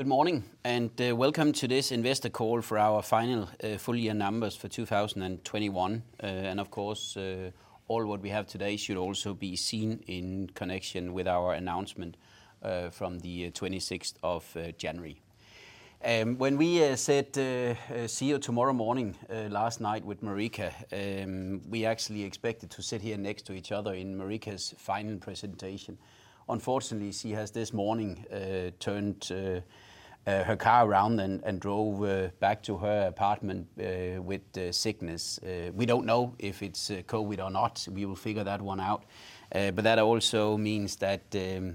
Good morning, welcome to this investor call for our final full year numbers for 2021. Of course, all that we have today should also be seen in connection with our announcement from the January 26th. When we said see you tomorrow morning last night with Marika, we actually expected to sit here next to each other in Marika's final presentation. Unfortunately, she has this morning turned her car around and drove back to her apartment with sickness. We don't know if it's COVID or not. We will figure that one out. That also means that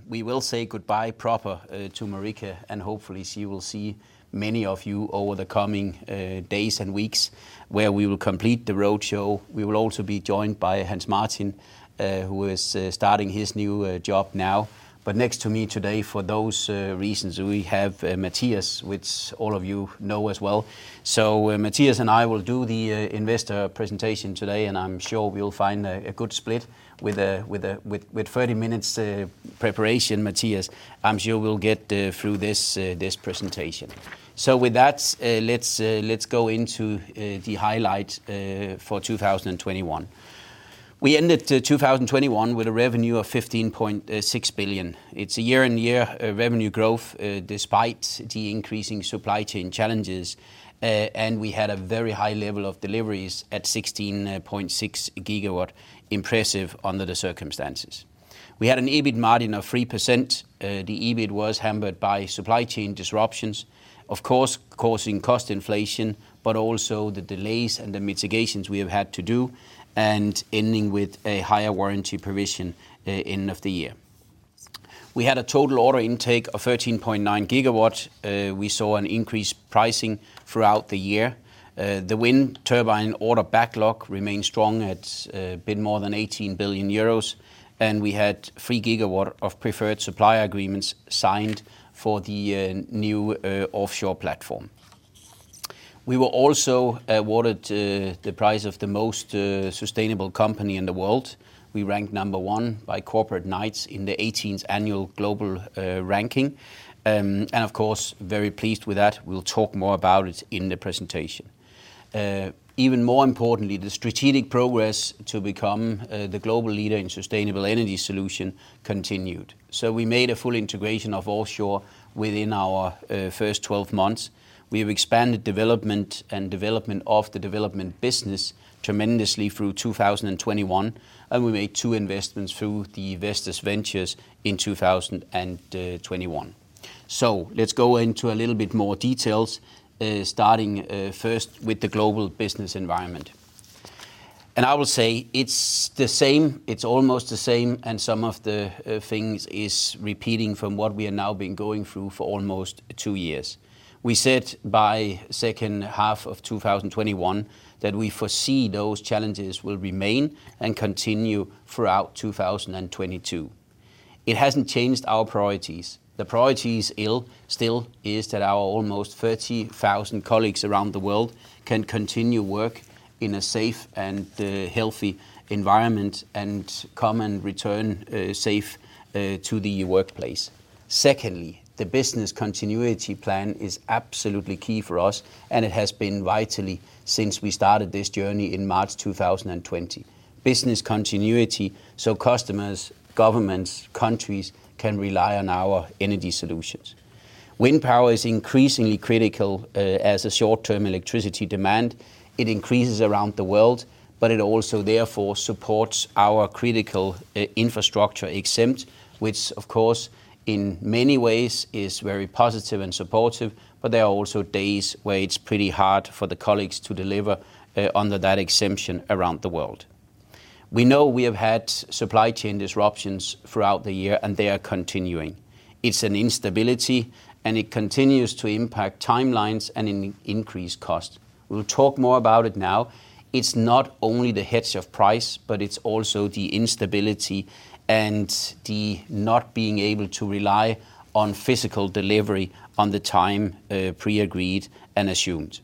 we will say goodbye proper to Marika, and hopefully she will see many of you over the coming days and weeks where we will complete the roadshow. We will also be joined by Hans Martin, who is starting his new job now. Next to me today for those reasons, we have Mathias, which all of you know as well. Mathias and I will do the investor presentation today, and I'm sure we'll find a good split with 30 minutes preparation. Mathias, I'm sure we'll get through this presentation. With that, let's go into the highlights for 2021. We ended 2021 with revenue of 15.6 billion. It's a year-on-year revenue growth despite the increasing supply chain challenges. We had a very high level of deliveries at 16.6 GW. Impressive under the circumstances. We had an EBIT margin of 3%. The EBIT was hampered by supply chain disruptions, of course, causing cost inflation, but also the delays and the mitigations we have had to do, and ending with a higher warranty provision end of the year. We had a total order intake of 13.9 GW. We saw an increased pricing throughout the year. The wind turbine order backlog remained strong at a bit more than 18 billion euros, and we had 3 GW of preferred supplier agreements signed for the new offshore platform. We were also awarded the prize of the most sustainable company in the world. We ranked number one by Corporate Knights in the 18th annual global ranking. Of course, very pleased with that. We'll talk more about it in the presentation. Even more importantly, the strategic progress to become the global leader in sustainable energy solution continued. We made a full integration of offshore within our first 12 months. We have expanded development of the development business tremendously through 2021, and we made two investments through the Vestas Ventures in 2021. Let's go into a little bit more details, starting first with the global business environment. I will say it's the same, it's almost the same, and some of the things is repeating from what we have now been going through for almost two years. We said by second half of 2021 that we foresee those challenges will remain and continue throughout 2022. It hasn't changed our priorities. The priorities still is that our almost 30,000 colleagues around the world can continue work in a safe and healthy environment and come and return safe to the workplace. Secondly, the business continuity plan is absolutely key for us, and it has been vitally since we started this journey in March 2020. Business continuity, so customers, governments, countries can rely on our energy solutions. Wind power is increasingly critical as a short-term electricity demand. It increases around the world, but it also therefore supports our critical infrastructure exemption, which of course in many ways is very positive and supportive, but there are also days where it's pretty hard for the colleagues to deliver under that exemption around the world. We know we have had supply chain disruptions throughout the year, and they are continuing. It's an instability, and it continues to impact timelines and increase cost. We'll talk more about it now. It's not only the hedge of price, but it's also the instability and the not being able to rely on physical delivery on time pre-agreed and assumed.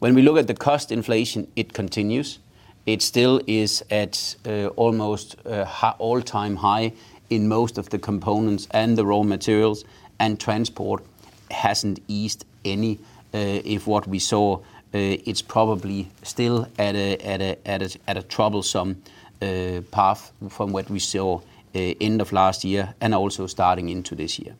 When we look at the cost inflation, it continues. It still is at almost all-time high in most of the components and the raw materials, and transport hasn't eased any from what we saw. It's probably still at a troublesome path from what we saw end of last year and also starting into this year.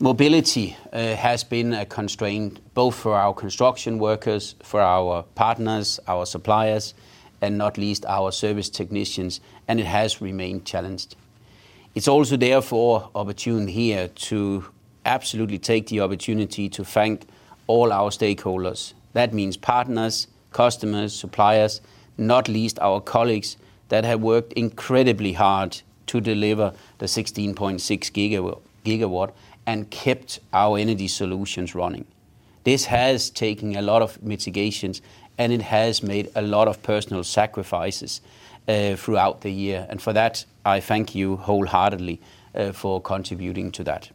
Mobility has been a constraint both for our construction workers, for our partners, our suppliers, and not least our service technicians, and it has remained challenged. It's also therefore opportune here to absolutely take the opportunity to thank all our stakeholders. That means partners, customers, suppliers, not least our colleagues that have worked incredibly hard to deliver the 16.6 GW and kept our Energy solutions running. This has taken a lot of mitigations, and it has made a lot of personal sacrifices throughout the year, and for that, I thank you wholeheartedly for contributing to that.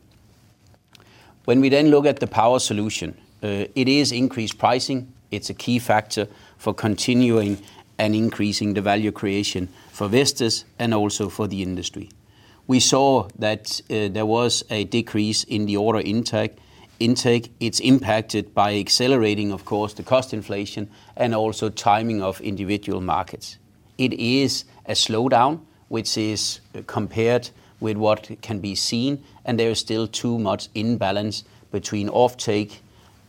When we look at the Power Solutions, it is increased pricing. It's a key factor for continuing and increasing the value creation for Vestas and also for the industry. We saw that there was a decrease in the order intake. It's impacted by accelerating, of course, the cost inflation and also timing of individual markets. It is a slowdown, which is compared with what can be seen, and there is still too much imbalance between offtake,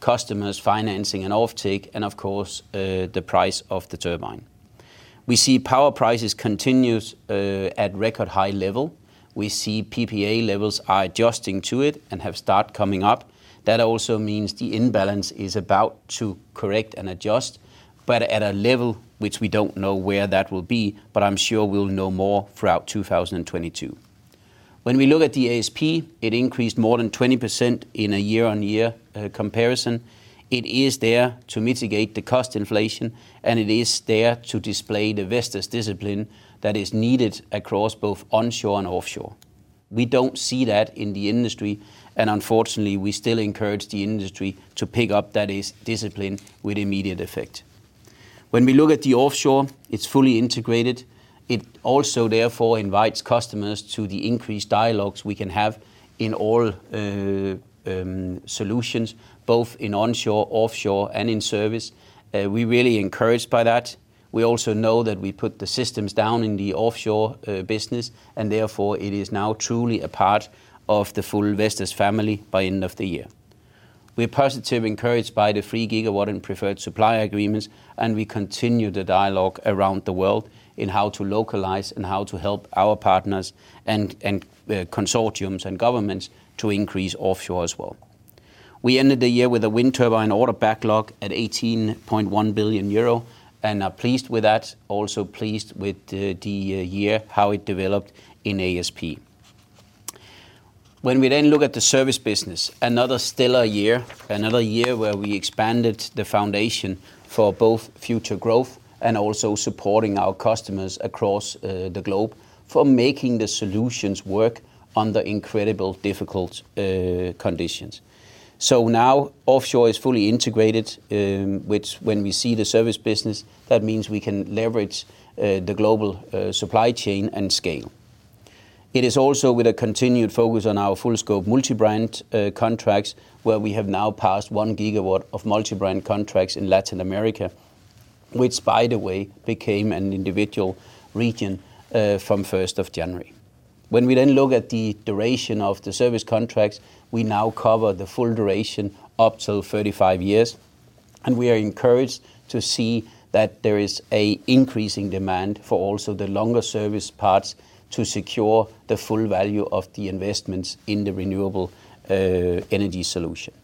customers financing and offtake, and of course, the price of the turbine. We see power prices continues at record high level. We see PPA levels are adjusting to it and have start coming up. That also means the imbalance is about to correct and adjust, but at a level which we don't know where that will be, but I'm sure we'll know more throughout 2022. When we look at the ASP, it increased more than 20% in a year-on-year comparison. It is there to mitigate the cost inflation, and it is there to display the Vestas discipline that is needed across both onshore and offshore. We don't see that in the industry, and unfortunately, we still encourage the industry to pick up that discipline with immediate effect. When we look at the offshore, it's fully integrated. It also therefore invites customers to the increased dialogues we can have in all solutions, both in onshore, offshore, and in service. We're really encouraged by that. We also know that we put the systems down in the offshore business, and therefore it is now truly a part of the full Vestas family by end of the year. We are positively encouraged by the 3 GW in preferred supplier agreements, and we continue the dialogue around the world in how to localize and how to help our partners and consortiums and governments to increase offshore as well. We ended the year with a wind turbine order backlog at 18.1 billion euro and are pleased with that. Also pleased with the year, how it developed in ASP. When we then look at the service business, another stellar year, another year where we expanded the foundation for both future growth and also supporting our customers across the globe for making the solutions work under incredibly difficult conditions. Now offshore is fully integrated, which when we see the service business, that means we can leverage the global supply chain and scale. It is also with a continued focus on our full-scope multi-brand contracts, where we have now passed 1 GW of multi-brand contracts in Latin America, which by the way became an individual region from first of January. When we then look at the duration of the service contracts, we now cover the full duration up till 35 years, and we are encouraged to see that there is an increasing demand for also the longer service parts to secure the full value of the investments in the renewable energy solution.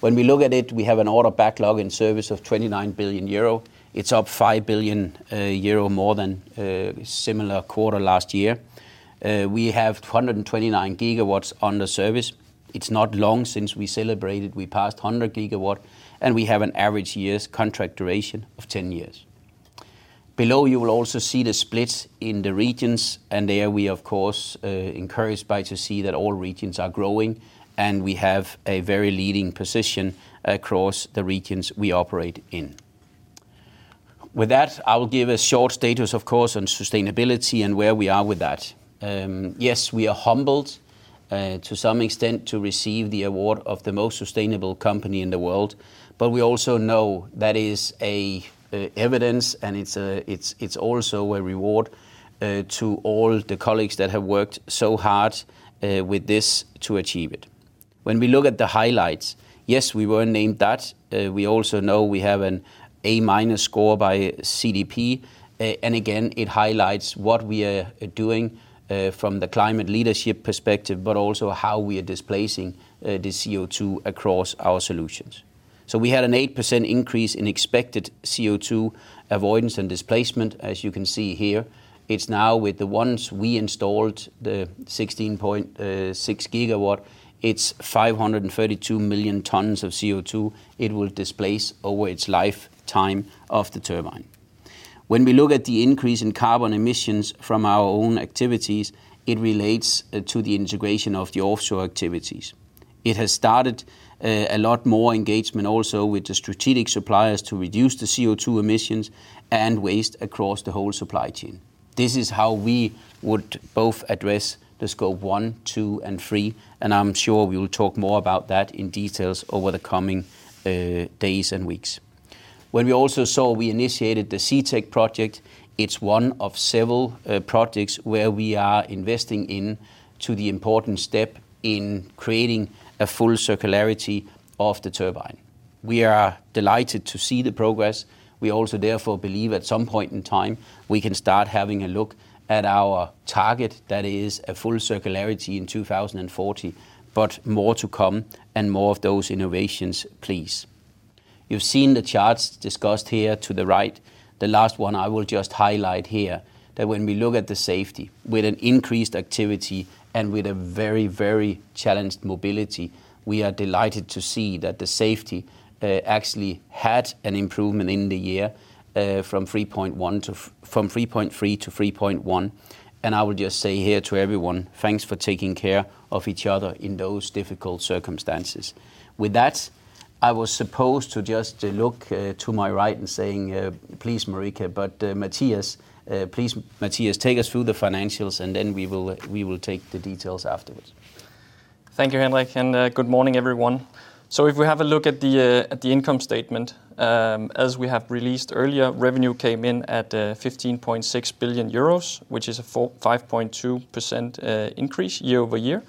When we look at it, we have an order backlog in service of 29 billion euro. It's up 5 billion euro more than similar quarter last year. We have 229 GW under service. It's not long since we celebrated we passed 100 GW, and we have an average years contract duration of 10 years. Below, you will also see the splits in the regions, and there we of course are encouraged to see that all regions are growing, and we have a very leading position across the regions we operate in. With that, I will give a short status, of course, on sustainability and where we are with that. Yes, we are humbled to some extent to receive the award of the most sustainable company in the world, but we also know that is evidence, and it's also a reward to all the colleagues that have worked so hard with this to achieve it. When we look at the highlights, yes, we were named that. We also know we have an A- score by CDP, and again, it highlights what we are doing from the climate leadership perspective, but also how we are displacing the CO2 across our solutions. We had an 8% increase in expected CO2 avoidance and displacement, as you can see here. It's now with the ones we installed, the 16.6 GW, it's 532 million tons of CO2 it will displace over its lifetime of the turbine. When we look at the increase in carbon emissions from our own activities, it relates to the integration of the offshore activities. It has started a lot more engagement also with the strategic suppliers to reduce the CO2 emissions and waste across the whole supply chain. This is how we would both address the scope one, two, and three, and I'm sure we will talk more about that in details over the coming days and weeks. When we also saw we initiated the CETEC project, it's one of several projects where we are investing in to the important step in creating a full circularity of the turbine. We are delighted to see the progress. We also therefore believe at some point in time we can start having a look at our target that is a full circularity in 2040. More to come and more of those innovations, please. You've seen the charts discussed here to the right. The last one I will just highlight here that when we look at the safety with an increased activity and with a very, very challenged mobility, we are delighted to see that the safety actually had an improvement in the year from 3.3 to 3.1. I would just say here to everyone, thanks for taking care of each other in those difficult circumstances. With that, I was supposed to just look to my right in saying, please, Marika, but Mathias, please, Mathias, take us through the financials, and then we will take the details afterwards. Thank you, Henrik, and good morning, everyone. If we have a look at the income statement, as we have released earlier, revenue came in at 15.6 billion euros, which is a 5.2% increase year over year.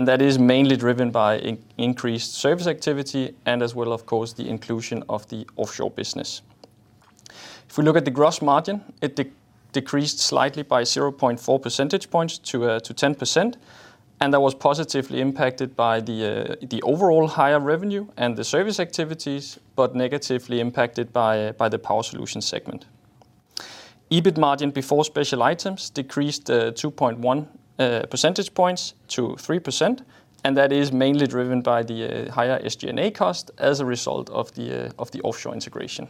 That is mainly driven by increased service activity and as well, of course, the inclusion of the offshore business. If we look at the gross margin, it decreased slightly by 0.4 percentage points to 10%, and that was positively impacted by the overall higher revenue and the service activities, but negatively impacted by the Power Solutions segment. EBIT margin before special items decreased 2.1 percentage points to 3%, and that is mainly driven by the higher SG&A cost as a result of the offshore integration.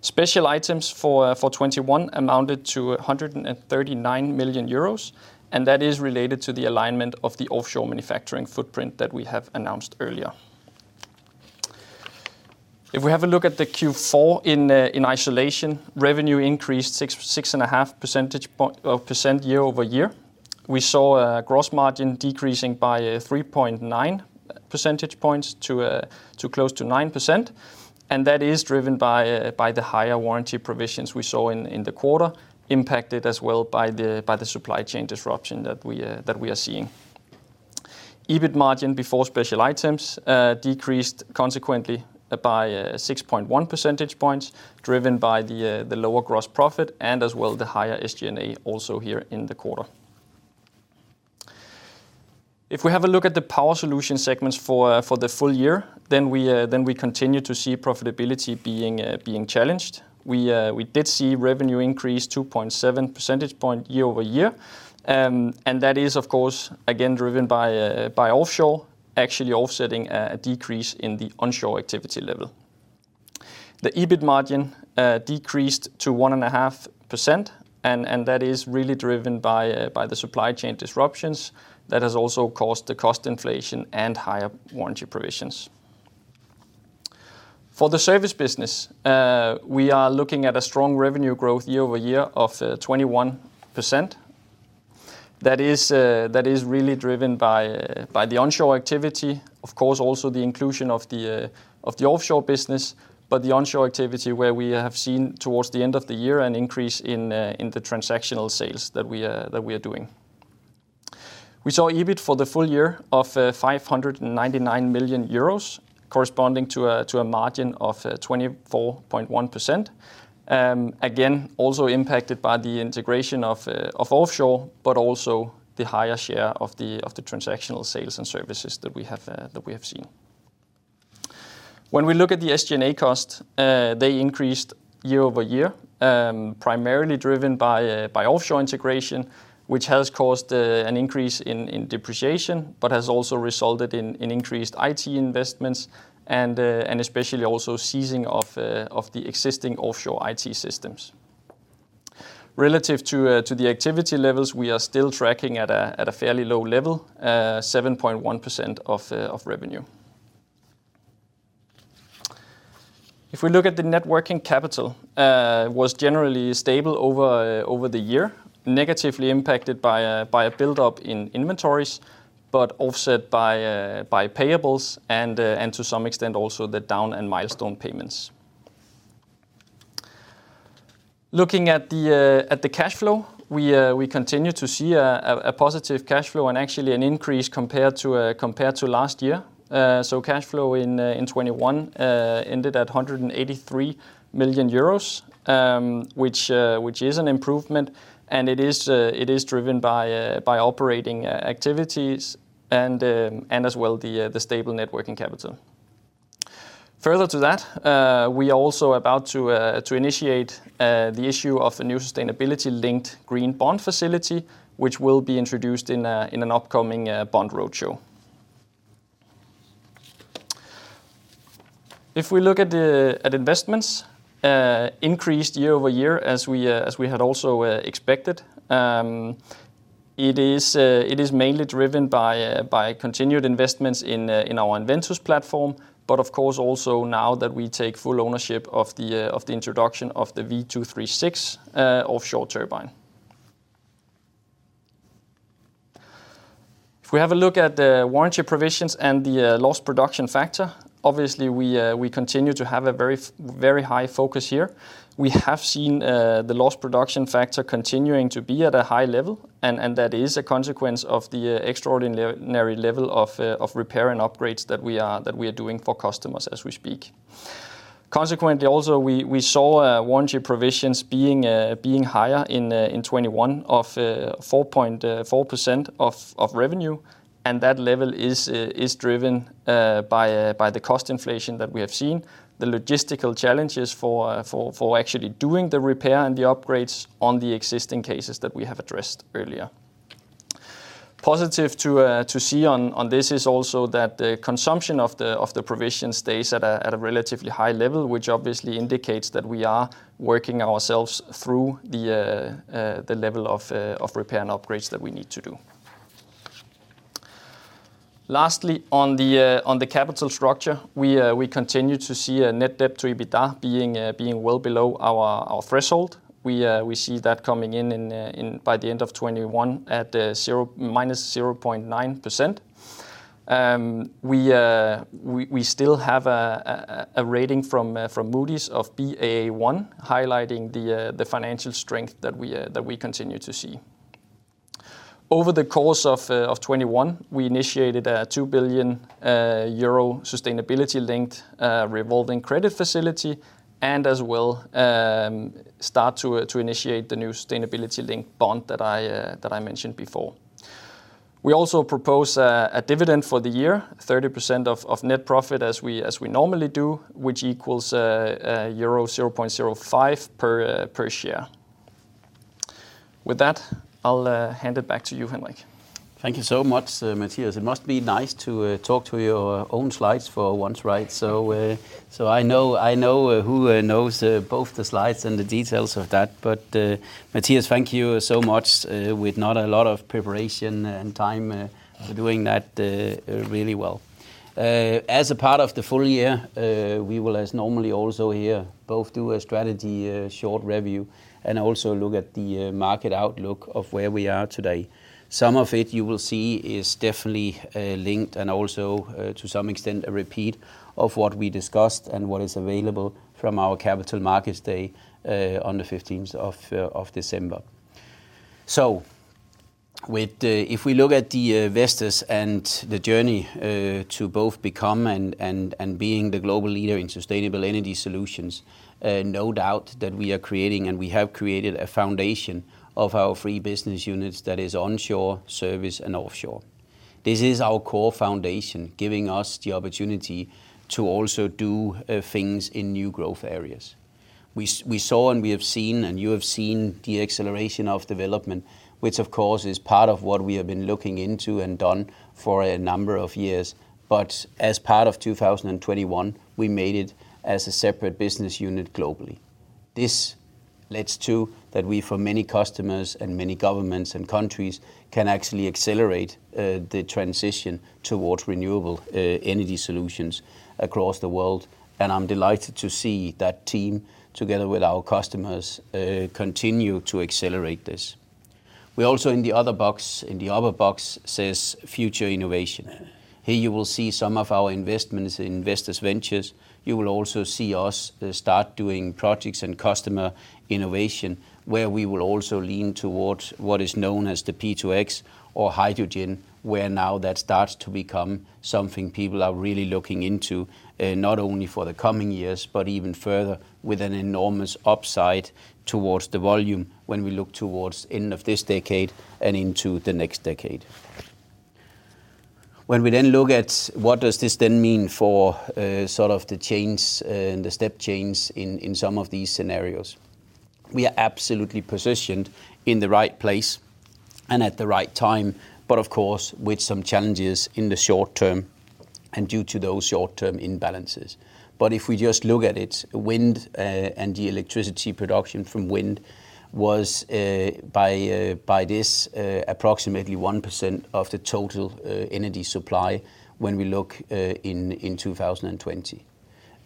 Special items for 2021 amounted to 139 million euros, and that is related to the alignment of the offshore manufacturing footprint that we have announced earlier. If we have a look at the Q4 in isolation, revenue increased 6.5% year-over-year. We saw gross margin decreasing by 3.9 percentage points to close to 9%, and that is driven by the higher warranty provisions we saw in the quarter, impacted as well by the supply chain disruption that we are seeing. EBIT margin before special items decreased consequently by 6.1 percentage points, driven by the lower gross profit and as well the higher SG&A also here in the quarter. If we have a look at the Power Solutions segment for the full year, then we continue to see profitability being challenged. We did see revenue increase 2.7 percentage points year-over-year, and that is of course again driven by offshore actually offsetting a decrease in the onshore activity level. The EBIT margin decreased to 1.5%, and that is really driven by the supply chain disruptions that has also caused the cost inflation and higher warranty provisions. For the service business, we are looking at a strong revenue growth year-over-year of 21%. That is really driven by the onshore activity, of course also the inclusion of the offshore business, but the onshore activity where we have seen towards the end of the year an increase in the transactional sales that we are doing. We saw EBIT for the full year of 599 million euros, corresponding to a margin of 24.1%. Again, also impacted by the integration of offshore, but also the higher share of the transactional sales and services that we have seen. When we look at the SG&A cost, they increased year-over-year, primarily driven by offshore integration, which has caused an increase in depreciation, but has also resulted in increased IT investments and especially also ceasing of the existing offshore IT systems. Relative to the activity levels, we are still tracking at a fairly low level, 7.1% of revenue. If we look at the net working capital, was generally stable over the year, negatively impacted by a build-up in inventories, but offset by payables and to some extent also the down payments and milestone payments. Looking at the cash flow, we continue to see a positive cash flow and actually an increase compared to last year. Cash flow in 2021 ended at 183 million euros, which is an improvement, and it is driven by operating activities and as well the stable net working capital. Further to that, we are also about to initiate the issue of a new sustainability-linked green bond facility, which will be introduced in an upcoming bond roadshow. If we look at the investments, increased year-over-year as we had also expected. It is mainly driven by continued investments in our EnVentus platform, but of course also now that we take full ownership of the introduction of the V236 offshore turbine. If we have a look at the warranty provisions and the loss production factor, obviously we continue to have a very high focus here. We have seen the loss production factor continuing to be at a high level, and that is a consequence of the extraordinary level of repair and upgrades that we are doing for customers as we speak. Consequently, also we saw warranty provisions being higher in 2021, 4.4% of revenue, and that level is driven by the cost inflation that we have seen, the logistical challenges for actually doing the repair and the upgrades on the existing cases that we have addressed earlier. It's positive to see on this is also that the consumption of the provision stays at a relatively high level, which obviously indicates that we are working ourselves through the level of repair and upgrades that we need to do. Lastly, on the capital structure, we continue to see a net debt to EBITDA being well below our threshold. We see that coming in by the end of 2021 at - 0.9%. We still have a rating from Moody's of Baa1, highlighting the financial strength that we continue to see. Over the course of 2021, we initiated a 2 billion euro sustainability-linked revolving credit facility, and as well, start to initiate the new sustainability-linked bond that I mentioned before. We also propose a dividend for the year, 30% of net profit as we normally do, which equals euro 0.05 per share. With that, I'll hand it back to you, Henrik. Thank you so much, Mathias. It must be nice to talk through your own slides for once, right? I know who knows both the slides and the details of that. Mathias, thank you so much with not a lot of preparation and time for doing that really well. As a part of the full year, we will as normally also here both do a strategy short review and also look at the market outlook of where we are today. Some of it you will see is definitely linked and also to some extent a repeat of what we discussed and what is available from our Capital Markets Day on the December 15th. With if we look at the Vestas and the journey to both become and being the global leader in sustainable energy solutions, no doubt that we are creating and we have created a foundation of our three business units that is Onshore, Service, and Offshore. This is our core foundation, giving us the opportunity to also do things in new growth areas. We saw and we have seen, and you have seen the acceleration of development, which of course is part of what we have been looking into and done for a number of years. As part of 2021, we made it as a separate business unit globally. This leads to that we for many customers and many governments and countries can actually accelerate the transition towards renewable energy solutions across the world, and I'm delighted to see that team, together with our customers, continue to accelerate this. We also in the other box says future innovation. Here you will see some of our investments in Vestas Ventures. You will also see us start doing projects and customer innovation, where we will also lean towards what is known as the P2X or hydrogen, where now that starts to become something people are really looking into, not only for the coming years, but even further, with an enormous upside towards the volume when we look towards end of this decade and into the next decade. When we then look at what does this then mean for, sort of the change, and the step change in some of these scenarios, we are absolutely positioned in the right place and at the right time, but of course, with some challenges in the short term and due to those short-term imbalances. If we just look at it, wind and the electricity production from wind was by this approximately 1% of the total energy supply when we look in 2020.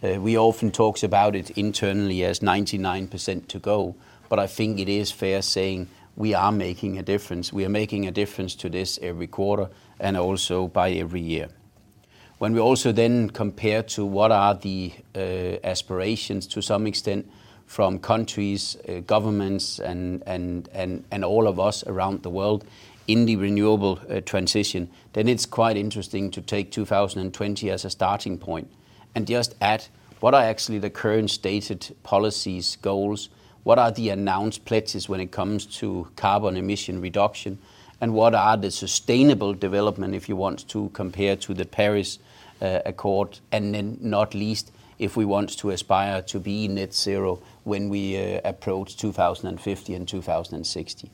We often talks about it internally as 99% to go, but I think it is fair saying we are making a difference. We are making a difference to this every quarter and also by every year. When we also then compare to what are the aspirations to some extent from countries, governments and all of us around the world in the renewable transition, then it's quite interesting to take 2020 as a starting point and just add what are actually the current stated policies, goals, what are the announced pledges when it comes to carbon emission reduction, and what are the sustainable development, if you want to compare to the Paris Agreement, and then not least, if we want to aspire to be net zero when we approach 2050 and 2060.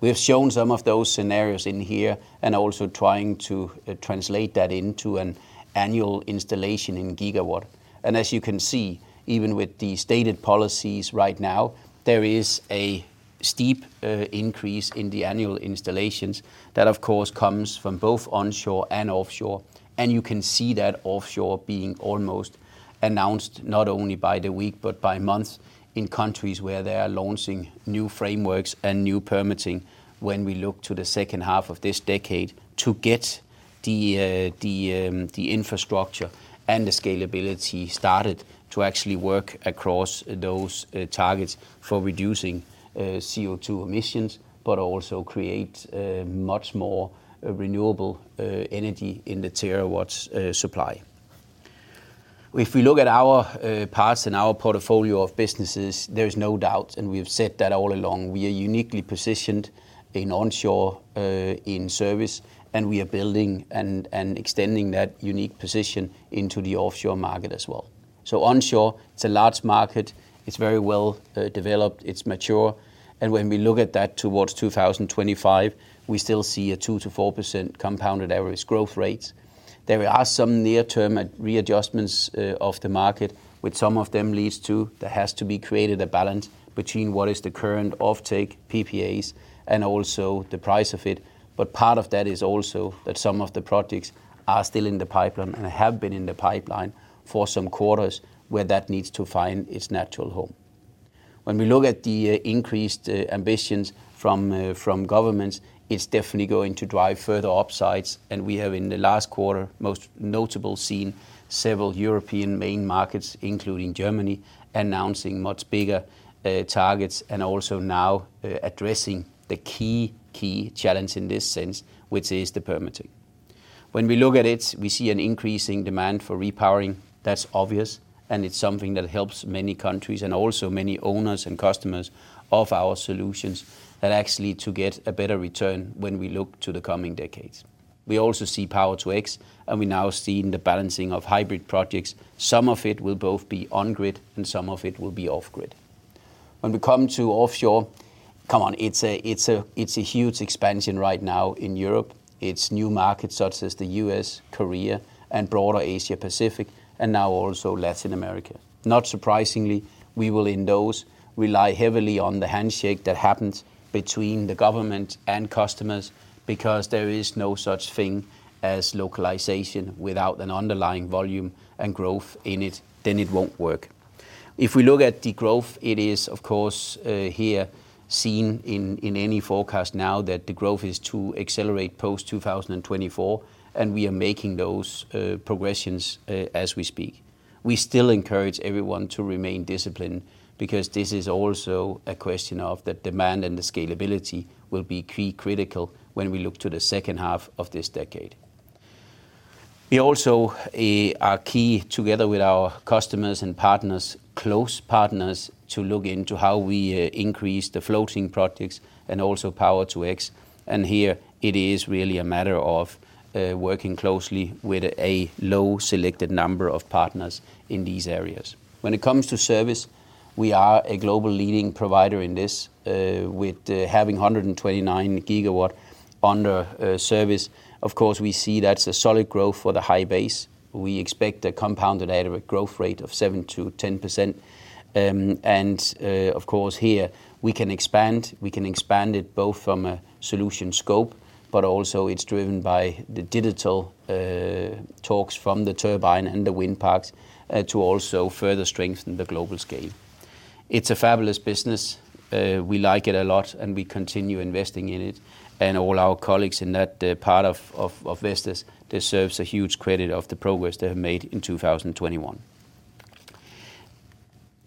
We have shown some of those scenarios here and also trying to translate that into an annual installation in gigawatts. As you can see, even with the stated policies right now, there is a steep increase in the annual installations. That of course comes from both onshore and offshore, and you can see that offshore being almost announced not only by the week but by month in countries where they are launching new frameworks and new permitting when we look to the second half of this decade to get the infrastructure and the scalability started to actually work across those targets for reducing CO2 emissions but also create much more renewable energy in the terawatts supply. If we look at our parts and our portfolio of businesses, there is no doubt, and we have said that all along, we are uniquely positioned in onshore, in service, and we are building and extending that unique position into the offshore market as well. Onshore, it's a large market. It's very well developed, it's mature. When we look at that towards 2025, we still see a 2%-4% compounded average growth rates. There are some near-term readjustments of the market, which some of them leads to there has to be created a balance between what is the current offtake PPAs and also the price of it. Part of that is also that some of the projects are still in the pipeline and have been in the pipeline for some quarters, where that needs to find its natural home. When we look at the increased ambitions from governments, it's definitely going to drive further upsides. We have in the last quarter most notably seen several European main markets, including Germany, announcing much bigger targets and also now addressing the key challenge in this sense, which is the permitting. When we look at it, we see an increasing demand for repowering. That's obvious, and it's something that helps many countries and also many owners and customers of our solutions that actually to get a better return when we look to the coming decades. We also see Power-to-X, and we now see in the balancing of hybrid projects, some of it will both be on grid and some of it will be off grid. When we come to offshore, it's a huge expansion right now in Europe. It's new markets such as the U.S., Korea and broader Asia Pacific and now also Latin America. Not surprisingly, we will in those rely heavily on the handshake that happens between the government and customers because there is no such thing as localization without an underlying volume and growth in it, then it won't work. If we look at the growth, it is of course here seen in any forecast now that the growth is to accelerate post 2024, and we are making those progressions as we speak. We still encourage everyone to remain disciplined because this is also a question of the demand and the scalability will be key critical when we look to the second half of this decade. We also are key together with our customers and partners, close partners, to look into how we increase the floating projects and also Power-to-X. Here it is really a matter of working closely with a low selected number of partners in these areas. When it comes to service, we are a global leading provider in this with having 129 GW under service. Of course, we see that's a solid growth for the high base. We expect a compounded annual growth rate of 7%-10%. Of course, here we can expand. We can expand it both from a solution scope, but also it's driven by the digital talks from the turbine and the wind parks to also further strengthen the global scale. It's a fabulous business. We like it a lot, and we continue investing in it. All our colleagues in that part of Vestas deserve a huge credit for the progress they have made in 2021.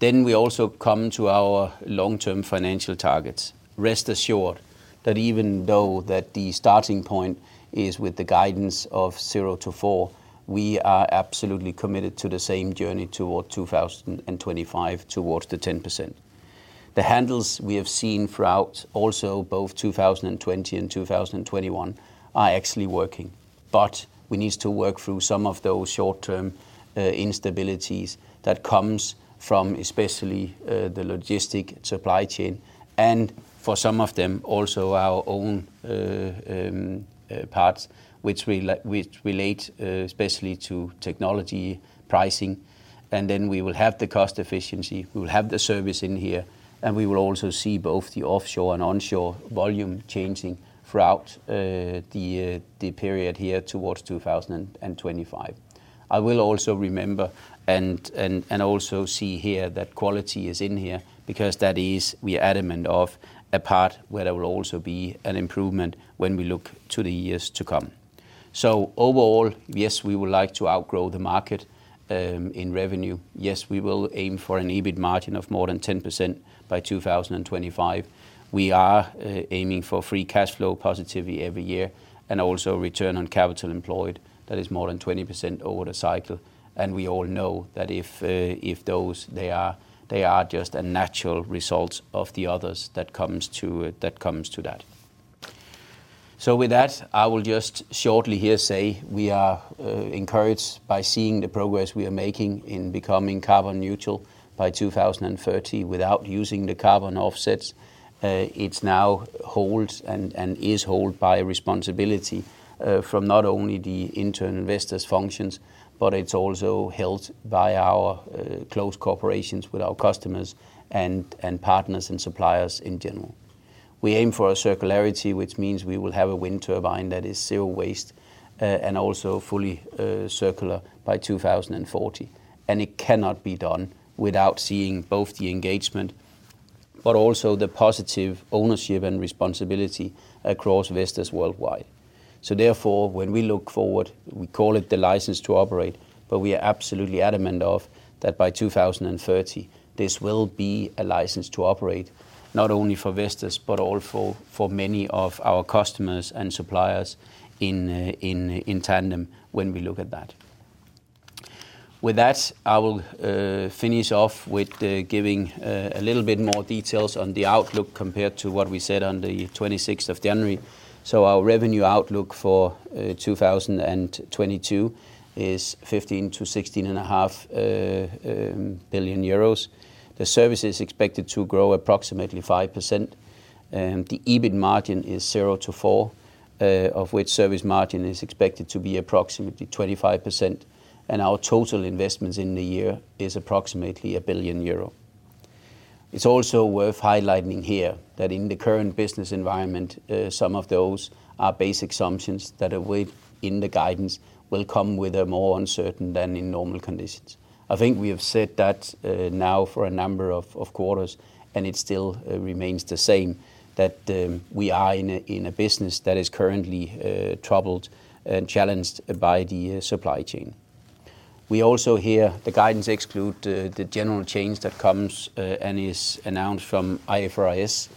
We also come to our long-term financial targets. Rest assured that even though the starting point is with the guidance of 0%-4%, we are absolutely committed to the same journey toward 2025, towards the 10%. The handles we have seen throughout also both 2020 and 2021 are actually working, but we need to work through some of those short-term instabilities that comes from especially the logistic supply chain and for some of them also our own parts which relate especially to technology pricing. Then we will have the cost efficiency, we will have the service in here, and we will also see both the offshore and onshore volume changing throughout the period here towards 2025. I will also remember and also see here that quality is in here because that is we are adamant of a part where there will also be an improvement when we look to the years to come. Overall, yes, we would like to outgrow the market in revenue. Yes, we will aim for an EBIT margin of more than 10% by 2025. We are aiming for free cash flow positivity every year and also return on capital employed that is more than 20% over the cycle. We all know that if those are, they are just a natural result of the others that come to that. With that, I will just shortly here say we are encouraged by seeing the progress we are making in becoming carbon neutral by 2030 without using the carbon offsets. It's now held and is held by responsibility from not only the internal Vestas functions, but it's also held by our close cooperations with our customers and partners and suppliers in general. We aim for a circularity, which means we will have a wind turbine that is zero waste and also fully circular by 2040. It cannot be done without seeing both the engagement but also the positive ownership and responsibility across Vestas worldwide. When we look forward, we call it the license to operate, but we are absolutely adamant of that by 2030, this will be a license to operate not only for Vestas, but also for many of our customers and suppliers in tandem when we look at that. With that, I will finish off with giving a little bit more details on the outlook compared to what we said on January 26. Our revenue outlook for 2022 is 15 billion-16.5 billion euros. The service is expected to grow approximately 5%. The EBIT margin is 0%-4%, of which service margin is expected to be approximately 25%. Our total investments in the year is approximately 1 billion euro. It's also worth highlighting here that in the current business environment, some of those are base assumptions that are in the guidance, will come with more uncertainty than in normal conditions. I think we have said that, now for a number of quarters, and it still remains the same, that we are in a business that is currently troubled and challenged by the supply chain. We also, here, the guidance excludes the general change that comes and is announced from the IFRS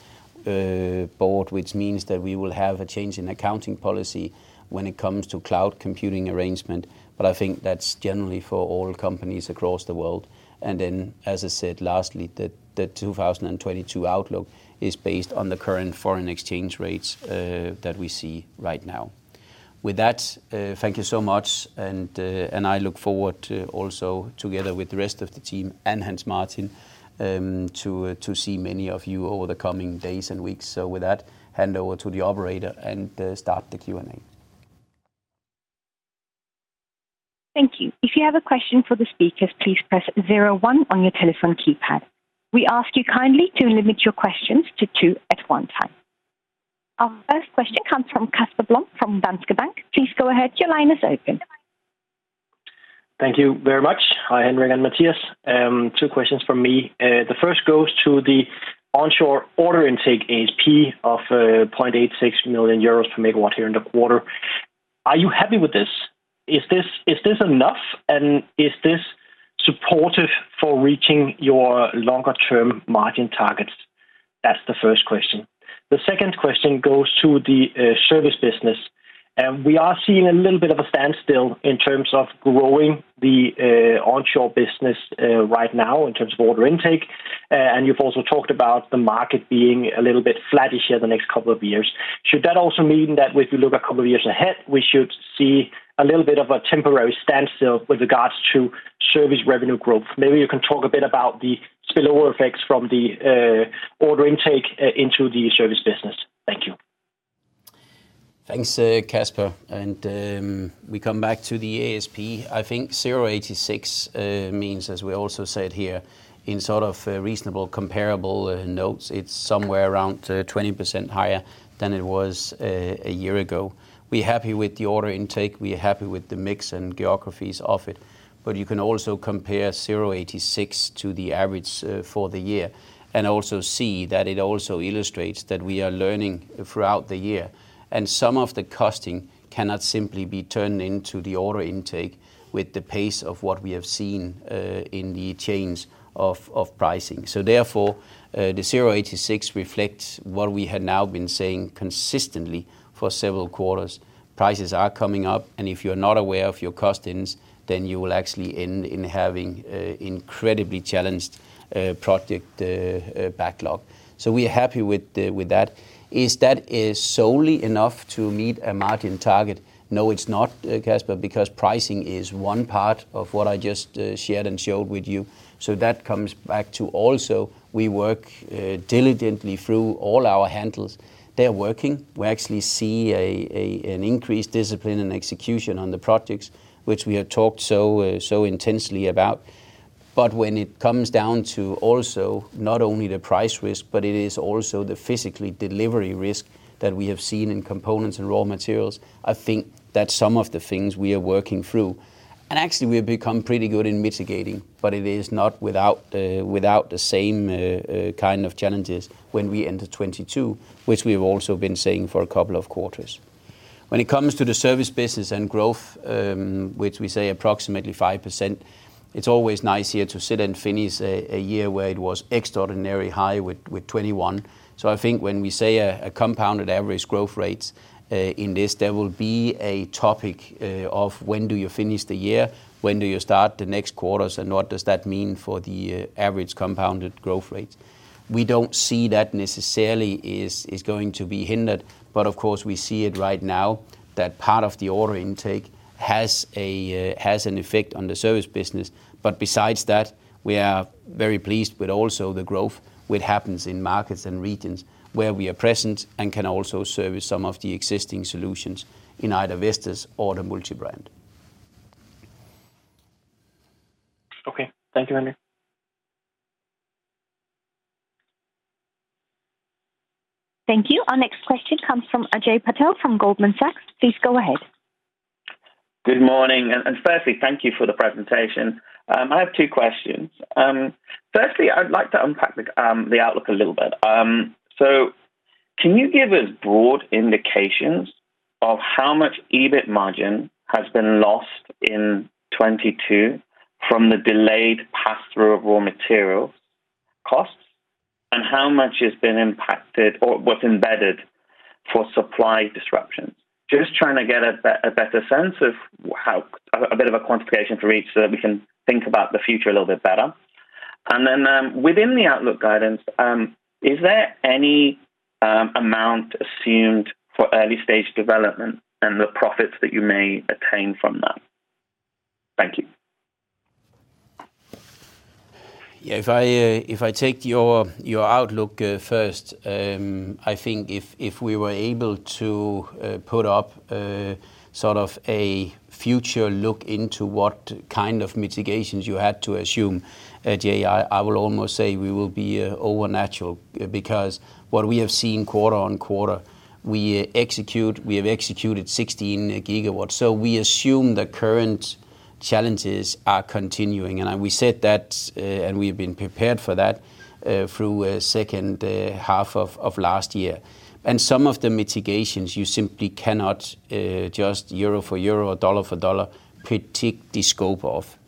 board, which means that we will have a change in accounting policy when it comes to cloud computing arrangement. But I think that's generally for all companies across the world. As I said, lastly, the 2022 outlook is based on the current foreign exchange rates that we see right now. With that, thank you so much, and I look forward to also, together with the rest of the team and Hans Martin, to see many of you over the coming days and weeks. With that, hand over to the operator and start the Q&A. Thank you. If you have a question for the speakers, please press zero one on your telephone keypad. We ask you kindly to limit your questions to two at a time. Our first question comes from Casper Blom from Danske Bank. Please go ahead. Your line is open. Thank you very much. Hi, Henrik and Mathias. Two questions from me. The first goes to the onshore order intake ASP of 0.86 million euros per megawatt here in the quarter. Are you happy with this? Is this enough? And is this supportive for reaching your longer-term margin targets? That's the first question. The second question goes to the service business. We are seeing a little bit of a standstill in terms of growing the onshore business right now in terms of order intake. And you've also talked about the market being a little bit flattish here the next couple of years. Should that also mean that if you look a couple of years ahead, we should see a little bit of a temporary standstill with regards to service revenue growth? Maybe you can talk a bit about the spillover effects from the order intake into the service business. Thank you. Thanks, Casper. We come back to the ASP. I think 86 means, as we also said here, in sort of reasonable comparable notes, it's somewhere around 20% higher than it was a year ago. We're happy with the order intake, we're happy with the mix and geographies of it. You can also compare 86 to the average for the year, and also see that it also illustrates that we are learning throughout the year. Some of the costing cannot simply be turned into the order intake with the pace of what we have seen in the change of pricing. Therefore, the 86 reflects what we had now been saying consistently for several quarters. Prices are coming up, and if you're not aware of your costings, then you will actually end up having an incredibly challenged project backlog. We are happy with that. Is that solely enough to meet a margin target? No, it's not, Casper, because pricing is one part of what I just shared and showed with you. That comes back to also we work diligently through all our handles. They are working. We actually see an increased discipline and execution on the projects which we have talked so intensely about. When it comes down to also not only the price risk, but it is also the physical delivery risk that we have seen in components and raw materials, I think that's some of the things we are working through. Actually, we have become pretty good in mitigating, but it is not without the same kind of challenges when we enter 2022, which we've also been saying for a couple of quarters. When it comes to the service business and growth, which we say approximately 5%, it's always nice here to sit and finish a year where it was extraordinary high with 21. I think when we say a compounded average growth rates, in this, there will be a topic of when do you finish the year? When do you start the next quarters, and what does that mean for the average compounded growth rates? We don't see that necessarily is going to be hindered, but of course, we see it right now that part of the order intake has an effect on the service business. Besides that, we are very pleased with also the growth which happens in markets and regions where we are present and can also service some of the existing solutions in either Vestas or the multibrand. Okay. Thank you, Henrik. Thank you. Our next question comes from Ajay Patel from Goldman Sachs. Please go ahead. Good morning. Firstly, thank you for the presentation. I have two questions. Firstly, I'd like to unpack the outlook a little bit. Can you give us broad indications of how much EBIT margin has been lost in 2022 from the delayed pass-through of raw materials costs? How much has been impacted or was embedded for supply disruptions? Just trying to get a better sense of how a bit of a quantification for each, so that we can think about the future a little bit better. Within the outlook guidance, is there any amount assumed for early stage development and the profits that you may attain from that? Thank you. Yeah. If I take your outlook first, I think if we were able to put up sort of a future look into what kind of mitigations you had to assume, Ajay, I will almost say we will be over natural, because what we have seen quarter-on-quarter, we have executed 16 GW. We assume the current challenges are continuing. We said that and we have been prepared for that through second half of last year. Some of the mitigations, you simply cannot just euro for euro or dollar for dollar predict the scope of.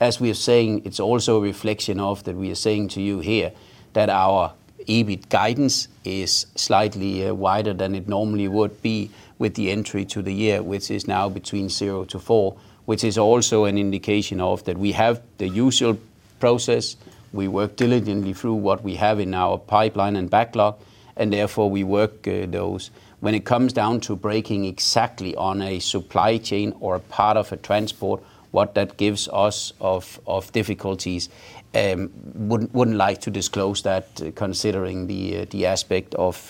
As we are saying, it's also a reflection of that we are saying to you here that our EBIT guidance is slightly wider than it normally would be with the entry to the year, which is now between 0%-4%, which is also an indication of that we have the usual process. We work diligently through what we have in our pipeline and backlog, and therefore we work those. When it comes down to breaking exactly on a supply chain or a part of a transport, what that gives us of difficulties, we wouldn't like to disclose that considering the aspect of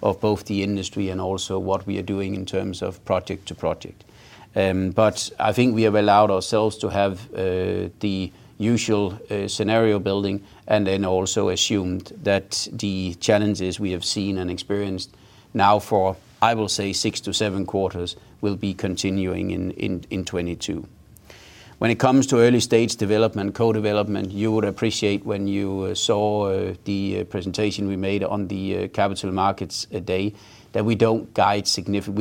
both the industry and also what we are doing in terms of project to project. I think we have allowed ourselves to have the usual scenario building and then also assumed that the challenges we have seen and experienced now for six to seven quarters will be continuing in 2022. When it comes to early stage development, co-development, you would appreciate when you saw the presentation we made on the capital markets day that we